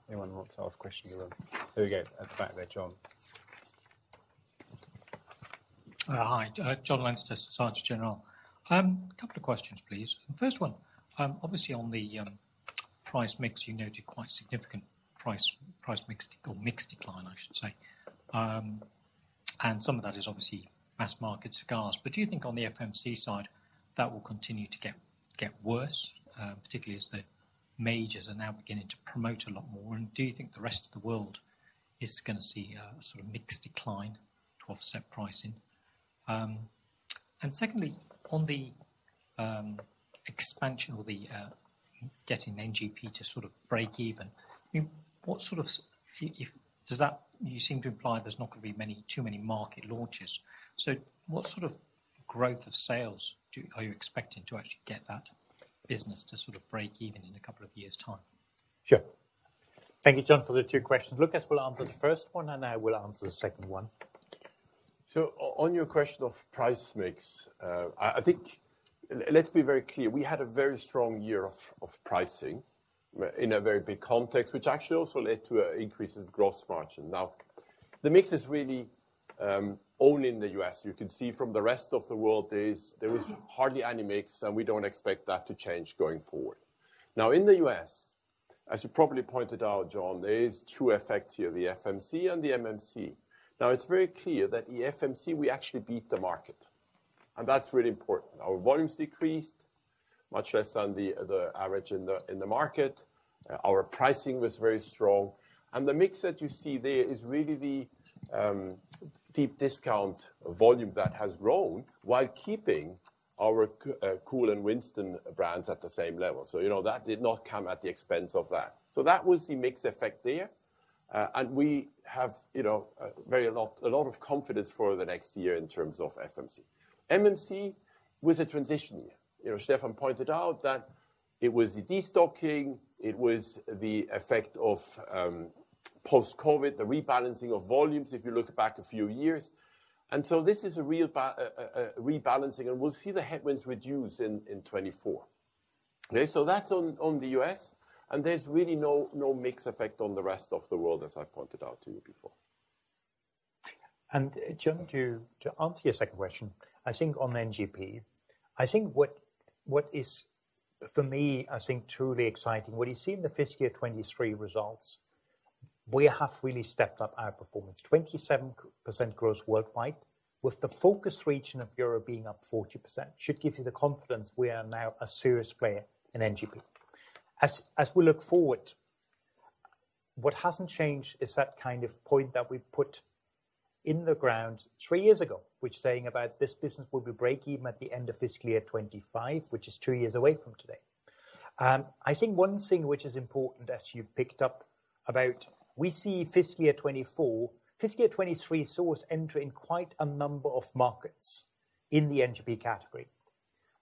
anyone who wants to ask a question in the room? Here we go, at the back there, Jon. Hi, Jon Lancaster, Société Générale. A couple of questions, please. First one, obviously on the price mix, you noted quite significant price, price mix or mix decline, I should say. And some of that is obviously mass market cigars. But do you think on the FMC side, that will continue to get, get worse, particularly as the majors are now beginning to promote a lot more? And do you think the rest of the world is gonna see a sort of mixed decline to offset pricing? And secondly, on the expansion or the getting NGP to sort of break even, I mean, what sort of, if- does that. You seem to imply there's not gonna be many, too many market launches. What sort of growth of sales are you expecting to actually get that business to sort of break even in a couple of years time? Sure. Thank you, Jon, for the two questions. Lukas will answer the first one, and I will answer the second one. So on your question of price mix, I think, let's be very clear, we had a very strong year of pricing in a very big context, which actually also led to an increase in gross margin. Now, the mix is really only in the U.S. You can see from the rest of the world, there is hardly any mix, and we don't expect that to change going forward. Now, in the U.S., as you properly pointed out, Jon, there are two effects here, the FMC and the MMC. Now, it's very clear that the FMC, we actually beat the market, and that's really important. Our volumes decreased much less than the average in the market. Our pricing was very strong, and the mix that you see there is really the deep discount volume that has grown while keeping our Kool and Winston brands at the same level. So, you know, that did not come at the expense of that. So that was the mix effect there. And we have, you know, a lot, a lot of confidence for the next year in terms of FMC. MMC was a transition year. You know, Stefan pointed out that it was the destocking, it was the effect of post-COVID, the rebalancing of volumes, if you look back a few years. And so this is a real rebalancing, and we'll see the headwinds reduce in 2024. Okay, so that's on the U.S., and there's really no mix effect on the rest of the world, as I pointed out to you before. Jon, to answer your second question, I think on NGP, I think what is for me, I think, truly exciting, what you see in the fiscal year 2023 results, we have really stepped up our performance. 27% growth worldwide, with the focus region of Europe being up 40%, should give you the confidence we are now a serious player in NGP. As we look forward, what hasn't changed is that kind of point that we put in the ground 3 years ago, which saying about this business will be break-even at the end of fiscal year 2025, which is 2 years away from today. I think one thing which is important, as you picked up, about we see fiscal year 2024. Fiscal year 2023, saw us entering quite a number of markets in the NGP category.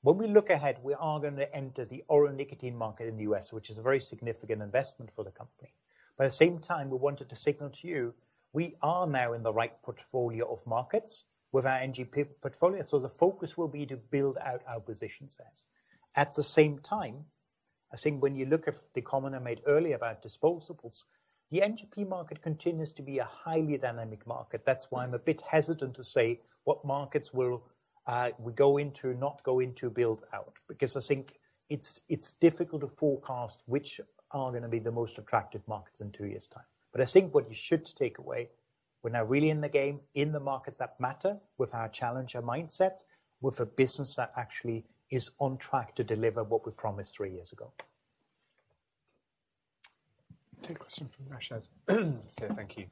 When we look ahead, we are gonna enter the oral nicotine market in the U.S., which is a very significant investment for the company. But at the same time, we wanted to signal to you, we are now in the right portfolio of markets with our NGP portfolio, so the focus will be to build out our position set. At the same time, I think when you look at the comment I made earlier about disposables, the NGP market continues to be a highly dynamic market. That's why I'm a bit hesitant to say what markets will, we go into, not go into, build out, because I think it's, it's difficult to forecast which are gonna be the most attractive markets in two years' time. I think what you should take away, we're now really in the game, in the market that matter, with our challenger mindset, with a business that actually is on track to deliver what we promised three years ago. Take a question from Rashad. So thank you.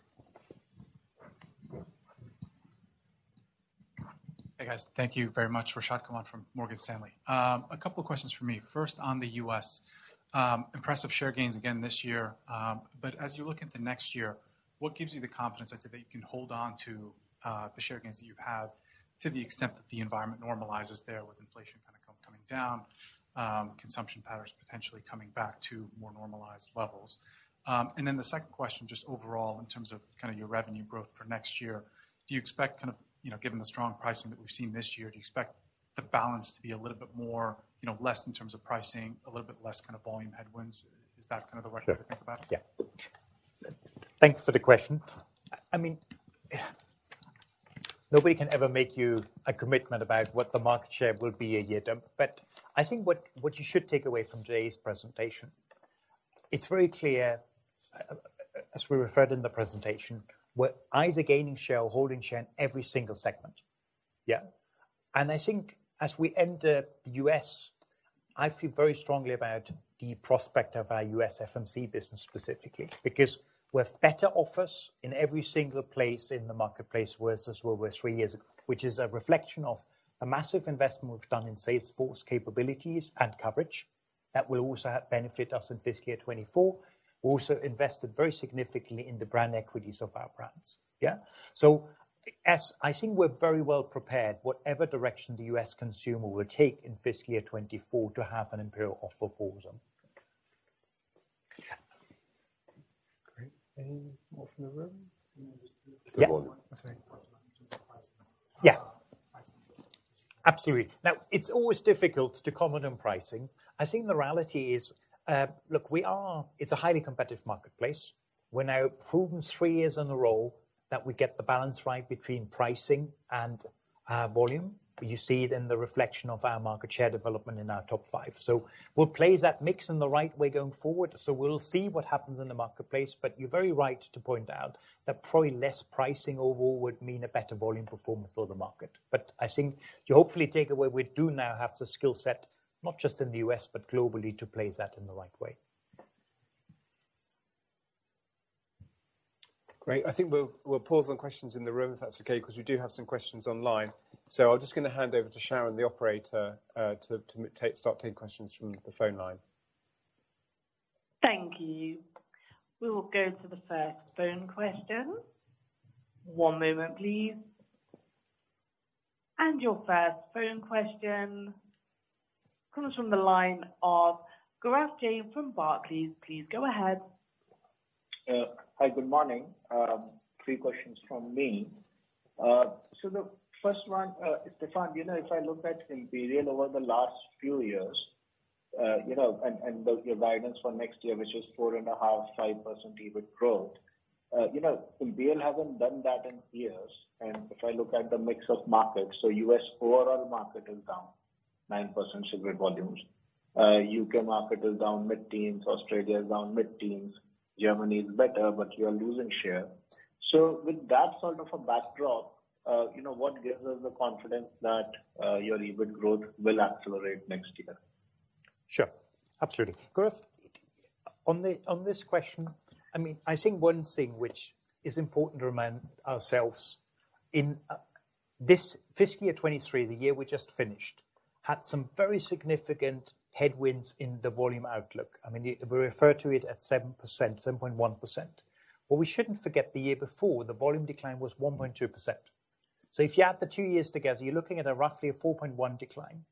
Hey, guys. Thank you very much. Rashad Kawan from Morgan Stanley. A couple of questions for me. First, on the U.S., impressive share gains again this year, but as you look into next year, what gives you the confidence that, that you can hold on to, the share gains that you've had, to the extent that the environment normalizes there, with inflation kind of coming down, consumption patterns potentially coming back to more normalized levels? And then the second question, just overall, in terms of kind of your revenue growth for next year, do you expect kind of, you know, given the strong pricing that we've seen this year, do you expect the balance to be a little bit more, you know, less in terms of pricing, a little bit less kind of volume headwinds? Is that kind of the right way to think about it? Yeah. Thank you for the question. I mean, nobody can ever make you a commitment about what the market share will be a year down, but I think what, what you should take away from today's presentation, it's very clear, as we referred in the presentation, we're either gaining share or holding share in every single segment. Yeah. And I think as we enter the US, I feel very strongly about the prospect of our US FMC business specifically, because we have better offers in every single place in the marketplace versus where we were three years ago, which is a reflection of a massive investment we've done in sales force capabilities and coverage that will also help benefit us in fiscal year 2024. We also invested very significantly in the brand equities of our brands. Yeah? So as. I think we're very well prepared, whatever direction the U.S. consumer will take in fiscal year 2024 to have an Imperial offer for them. Great. Any more from the room? Good morning. Yeah. Yeah. Absolutely. Now, it's always difficult to comment on pricing. I think the reality is, look, we are. It's a highly competitive marketplace. We're now proven three years in a row that we get the balance right between pricing and volume. You see it in the reflection of our market share development in our top five. So we'll play that mix in the right way going forward. So we'll see what happens in the marketplace, but you're very right to point out that probably less pricing overall would mean a better volume performance for the market. But I think you hopefully take away, we do now have the skill set, not just in the U.S., but globally, to play that in the right way. Great. I think we'll, we'll pause on questions in the room, if that's okay, because we do have some questions online. So I'm just gonna hand over to Sharon, the operator, to, to take, start taking questions from the phone line. Thank you. We will go to the first phone question. One moment, please. Your first phone question comes from the line of Gaurav Jain from Barclays. Please go ahead. Hi, good morning. Three questions from me. So the first one, Stefan, you know, if I look at Imperial over the last few years, you know, and your guidance for next year, which is 4.5-5% EBIT growth, you know, Imperial haven't done that in years. And if I look at the mix of markets, so U.S. overall market is down 9% cigarette volumes, U.K. market is down mid-teens, Australia is down mid-teens. Germany is better, but you are losing share. So with that sort of a backdrop, you know, what gives us the confidence that your EBIT growth will accelerate next year? Sure. Absolutely. Gaurav, on the, on this question, I mean, I think one thing which is important to remind ourselves in, this fiscal year 2023, the year we just finished, had some very significant headwinds in the volume outlook. I mean, we refer to it at 7%, 7.1%. What we shouldn't forget, the year before, the volume decline was 1.2%. So if you add the two years together, you're looking at a roughly a 4.1% decline.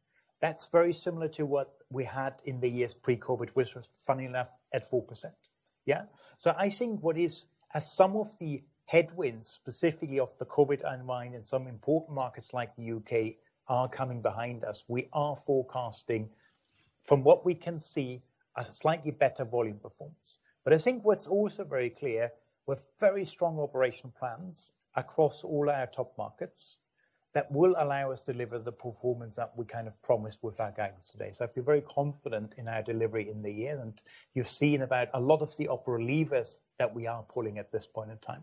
That's very similar to what we had in the years pre-COVID, which was funny enough at 4%. Yeah? So I think what is, as some of the headwinds, specifically of the COVID unwind in some important markets like the UK, are coming behind us, we are forecasting, from what we can see, a slightly better volume performance. But I think what's also very clear, with very strong operational plans across all our top markets, that will allow us to deliver the performance that we kind of promised with our guidance today. So I feel very confident in our delivery in the year, and you've seen about a lot of the operational levers that we are pulling at this point in time.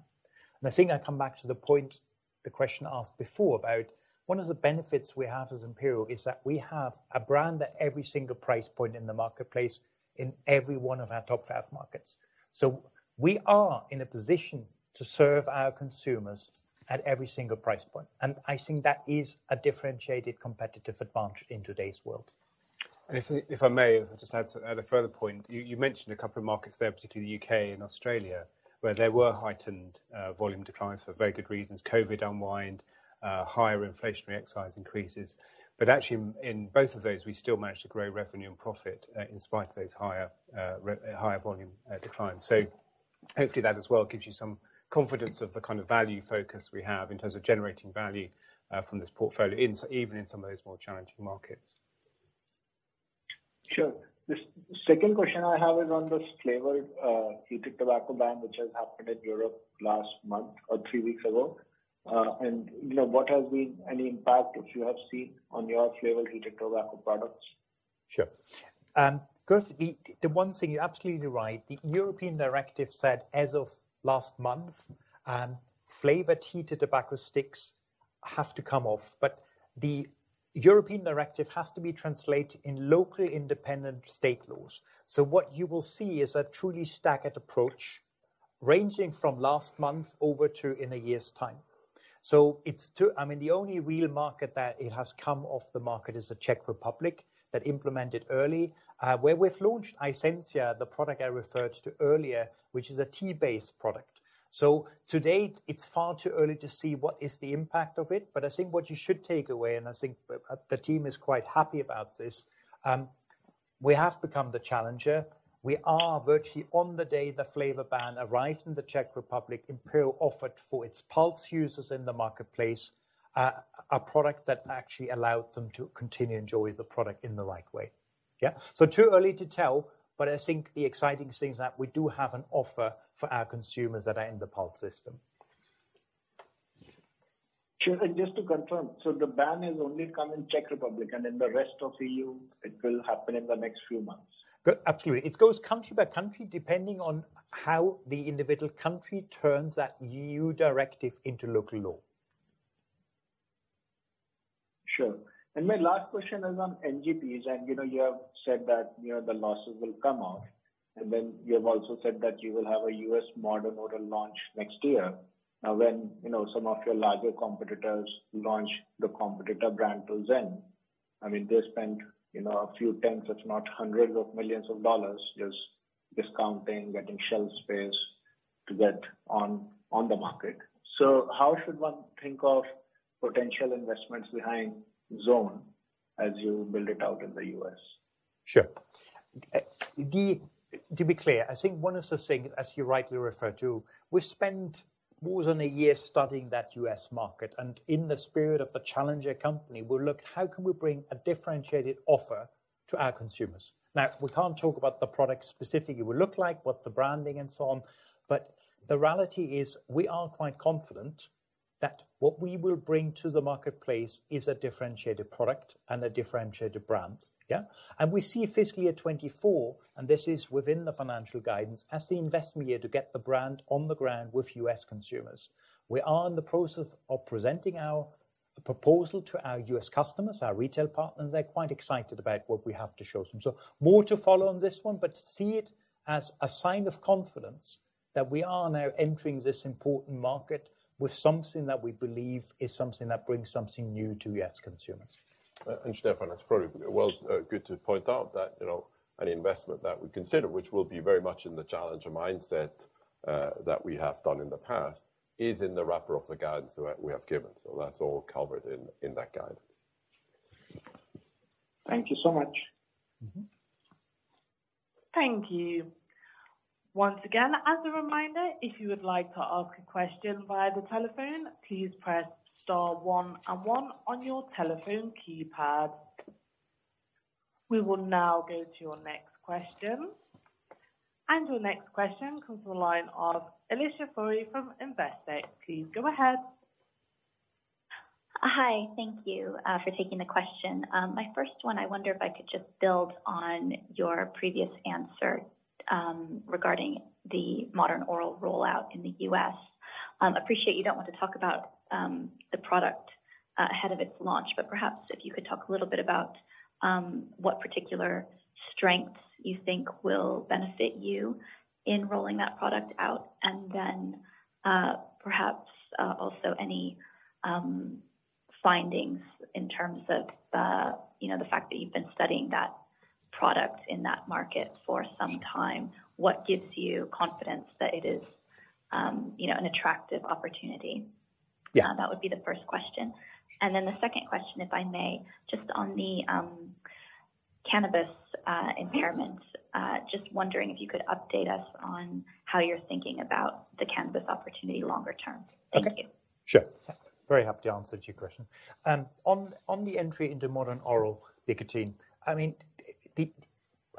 And I think I come back to the point, the question asked before, about one of the benefits we have as Imperial is that we have a brand at every single price point in the marketplace, in every one of our top five markets. So we are in a position to serve our consumers at every single price point, and I think that is a differentiated competitive advantage in today's world. If I may, just add a further point. You mentioned a couple of markets there, particularly the U.K. and Australia, where there were heightened volume declines for very good reasons. COVID unwind, higher inflationary excise increases. But actually, in both of those, we still managed to grow revenue and profit in spite of those higher volume declines. So hopefully, that as well, gives you some confidence of the kind of value focus we have in terms of generating value from this portfolio, in even some of those more challenging markets. Sure. The second question I have is on this flavored Heated Tobacco ban, which has happened in Europe last month or three weeks ago. And you know, what has been any impact, if you have seen, on your flavored Heated Tobacco products? Sure. Gaurav, the one thing you're absolutely right, the European directive said as of last month, flavored Heated Tobacco sticks have to come off, but the European directive has to be translated in locally independent state laws. So what you will see is a truly staggered approach ranging from last month over to in a year's time. So it's too... I mean, the only real market that it has come off the market is the Czech Republic, that implemented early. Where we've launched iSenzia, the product I referred to earlier, which is a tea-based product. So to date, it's far too early to see what is the impact of it, but I think what you should take away, and I think the team is quite happy about this, we have become the challenger. We are virtually on the day the flavor ban arrived in the Czech Republic. Imperial offered for its Pulze users in the marketplace a product that actually allowed them to continue to enjoy the product in the right way. Yeah. So too early to tell, but I think the exciting thing is that we do have an offer for our consumers that are in the Pulze system. Sure. Just to confirm, so the ban has only come in Czech Republic, and in the rest of E.U., it will happen in the next few months? Good. Absolutely. It goes country by country, depending on how the individual country turns that EU directive into local law. Sure. My last question is on NGPs, and you know, you have said that, you know, the losses will come off, and then you have also said that you will have a U.S. modern oral launch next year. Now, when you know, some of your larger competitors launch the competitor brand to Zyn, I mean, they spent, you know, a few tens, if not hundreds of millions of dollars just discounting, getting shelf space to get on the market. How should one think of potential investments behind Zone as you build it out in the U.S.? Sure. To be clear, I think one of the things, as you rightly refer to, we spent more than a year studying that US market, and in the spirit of the challenger company, we looked how can we bring a differentiated offer to our consumers? Now, we can't talk about the product specifically, what it look like, what the branding and so on, but the reality is, we are quite confident that what we will bring to the marketplace is a differentiated product and a differentiated brand. Yeah. And we see fiscal year 2024, and this is within the financial guidance, as the investment year to get the brand on the ground with US consumers. We are in the process of presenting our proposal to our US customers, our retail partners. They're quite excited about what we have to show them. More to follow on this one, but see it as a sign of confidence that we are now entering this important market with something that we believe is something that brings something new to U.S. consumers. Stefan, that's probably, well, good to point out that, you know, any investment that we consider, which will be very much in the challenger mindset that we have done in the past, is in the wrapper of the guidance that we have given. So that's all covered in that guidance. Thank you so much. Thank you. Once again, as a reminder, if you would like to ask a question via the telephone, please press star one and one on your telephone keypad. We will now go to your next question. Your next question comes from the line of Alicia Forry from Investec. Please go ahead. Hi, thank you for taking the question. My first one, I wonder if I could just build on your previous answer, regarding the Modern Oral rollout in the U.S. Appreciate you don't want to talk about the product ahead of its launch, but perhaps if you could talk a little bit about what particular strengths you think will benefit you in rolling that product out. And then, perhaps also any findings in terms of the, you know, the fact that you've been studying that product in that market for some time. What gives you confidence that it is, you know, an attractive opportunity? Yeah. That would be the first question. And then the second question, if I may, just on the cannabis impairments, just wondering if you could update us on how you're thinking about the cannabis opportunity longer term. Thank you. Sure. Very happy to answer to your question. On the entry into modern oral nicotine, I mean,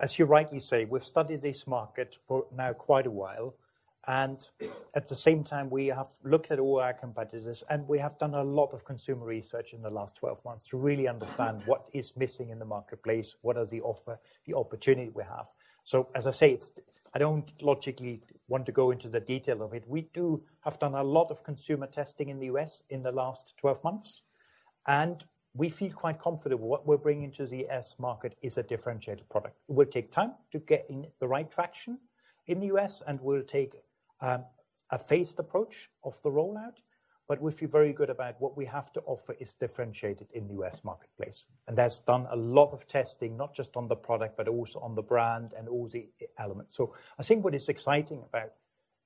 as you rightly say, we've studied this market for now quite a while, and at the same time, we have looked at all our competitors, and we have done a lot of consumer research in the last 12 months to really understand what is missing in the marketplace, what is the offer, the opportunity we have. So as I say, it's... I don't logically want to go into the detail of it. We do, have done a lot of consumer testing in the US in the last 12 months, and we feel quite confident what we're bringing to the US market is a differentiated product. It will take time to get in the right traction in the U.S., and we'll take a phased approach of the rollout, but we feel very good about what we have to offer is differentiated in the U.S. marketplace. And that's done a lot of testing, not just on the product, but also on the brand and all the elements. So I think what is exciting about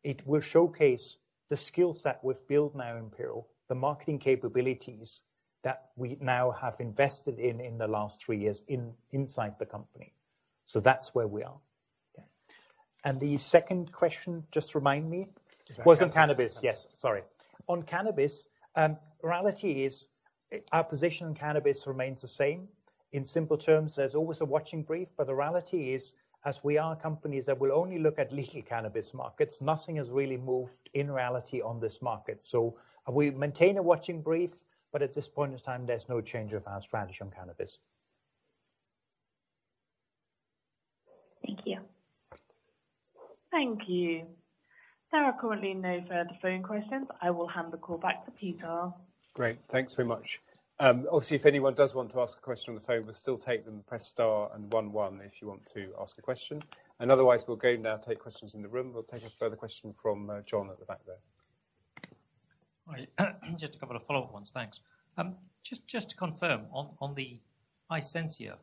it will showcase the skill set we've built now in Imperial, the marketing capabilities that we now have invested in, in the last three years inside the company. So that's where we are. Yeah. And the second question, just remind me. Cannabis. Was on cannabis. Yes, sorry. On cannabis, reality is, our position on cannabis remains the same. In simple terms, there's always a watching brief, but the reality is, as we are companies that will only look at legal cannabis markets, nothing has really moved in reality on this market. So we maintain a watching brief, but at this point in time, there's no change of our strategy on cannabis. Thank you. Thank you. There are currently no further phone questions. I will hand the call back to Peter. Great. Thanks very much. Obviously, if anyone does want to ask a question on the phone, we'll still take them. Press star and one, one, if you want to ask a question. And otherwise, we'll go now, take questions in the room. We'll take a further question from Jon at the back there. Hi, just a couple of follow-up ones. Thanks. Just to confirm, on the iSenzia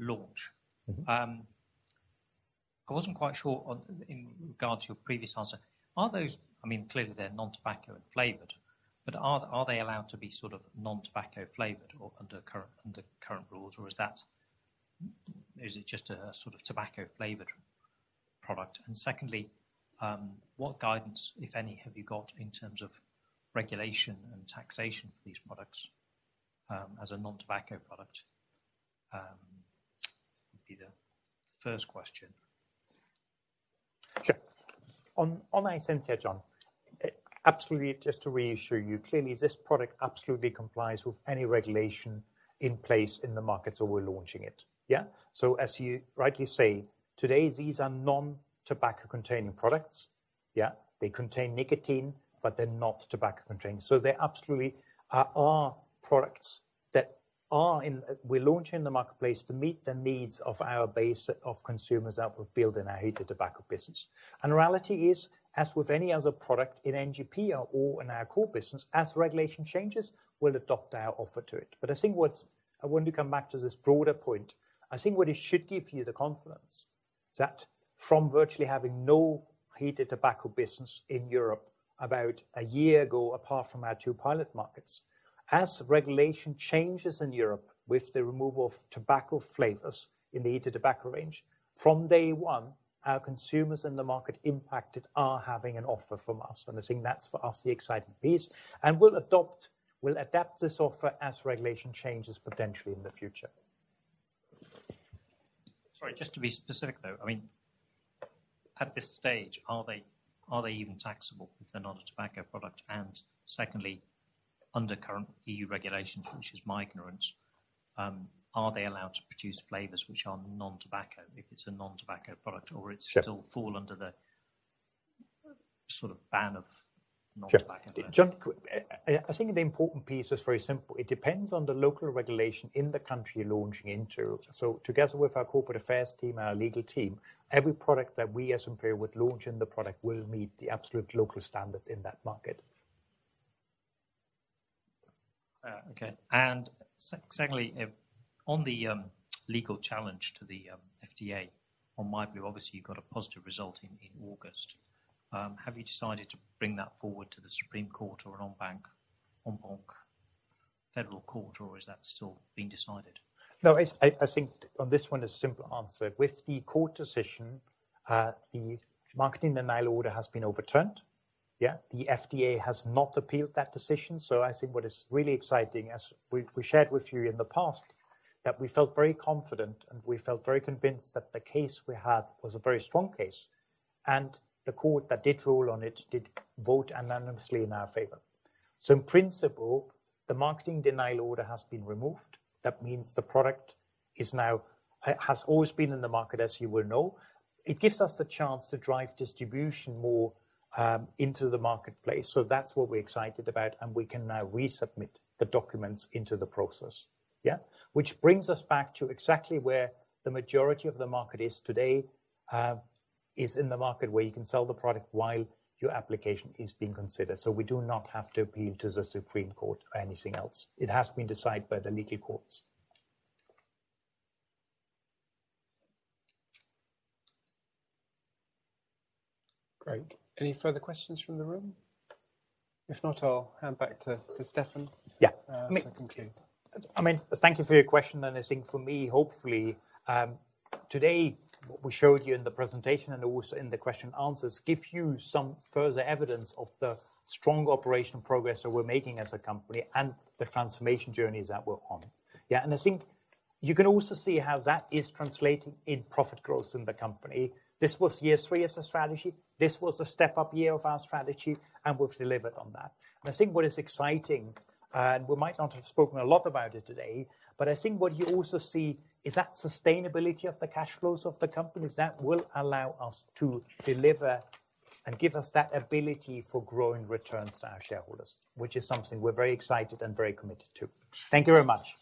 launch, I wasn't quite sure on... in regards to your previous answer, are those, I mean, clearly they're non-tobacco and flavored, but are, are they allowed to be sort of non-tobacco flavored or under current, under current rules, or is that- is it just a sort of tobacco flavored product? And secondly, what guidance, if any, have you got in terms of regulation and taxation for these products, as a non-tobacco product? Would be the first question. Sure. On iSenzia, Jon, absolutely, just to reassure you, clearly, this product absolutely complies with any regulation in place in the markets that we're launching it. Yeah. So as you rightly say, today, these are non-tobacco containing products. Yeah, they contain nicotine, but they're not tobacco containing. So they absolutely are products that are... We're launching in the marketplace to meet the needs of our base of consumers that we've built in our Heated Tobacco business. And reality is, as with any other product in NGP or in our core business, as regulation changes, we'll adopt our offer to it. But I think what's... I want to come back to this broader point. I think what it should give you the confidence is that from virtually having no Heated Tobacco business in Europe about a year ago, apart from our two pilot markets, as regulation changes in Europe with the removal of tobacco flavors in the Heated Tobacco range, from day one, our consumers in the market impacted are having an offer from us, and I think that's, for us, the exciting piece. And we'll adapt this offer as regulation changes potentially in the future. Sorry, just to be specific, though, I mean, at this stage, are they, are they even taxable if they're not a tobacco product? Secondly, under current EU regulations, which is my ignorance, are they allowed to produce flavors which are non-tobacco, if it's a non-tobacco product, or- Sure. It's still fall under the, sort of, ban of non-tobacco? Jon, I think the important piece is very simple. It depends on the local regulation in the country you're launching into. So together with our corporate affairs team, our legal team, every product that we as Imperial would launch in the product, will meet the absolute local standards in that market. Okay. And secondly, on the legal challenge to the FDA, in my view, obviously, you got a positive result in August. Have you decided to bring that forward to the Supreme Court or an En Banc Federal Court, or is that still being decided? No, it's I think on this one, a simple answer. With the court decision, the Marketing Denial Order has been overturned. Yeah, the FDA has not appealed that decision. So I think what is really exciting, as we shared with you in the past, that we felt very confident and we felt very convinced that the case we had was a very strong case, and the court that did rule on it did vote unanimously in our favor. So in principle, the Marketing Denial Order has been removed. That means the product is now has always been in the market, as you will know. It gives us the chance to drive distribution more into the marketplace. So that's what we're excited about, and we can now resubmit the documents into the process. Yeah. Which brings us back to exactly where the majority of the market is today, is in the market where you can sell the product while your application is being considered. So we do not have to appeal to the Supreme Court or anything else. It has been decided by the lower courts. Great. Any further questions from the room? If not, I'll hand back to Stefan- Yeah... to conclude. I mean, thank you for your question, and I think for me, hopefully, today, what we showed you in the presentation and also in the question answers, give you some further evidence of the strong operational progress that we're making as a company and the transformation journey that we're on. Yeah, and I think you can also see how that is translating in profit growth in the company. This was year three as a strategy. This was a step-up year of our strategy, and we've delivered on that. And I think what is exciting, and we might not have spoken a lot about it today, but I think what you also see is that sustainability of the cash flows of the companies that will allow us to deliver and give us that ability for growing returns to our shareholders, which is something we're very excited and very committed to. Thank you very much!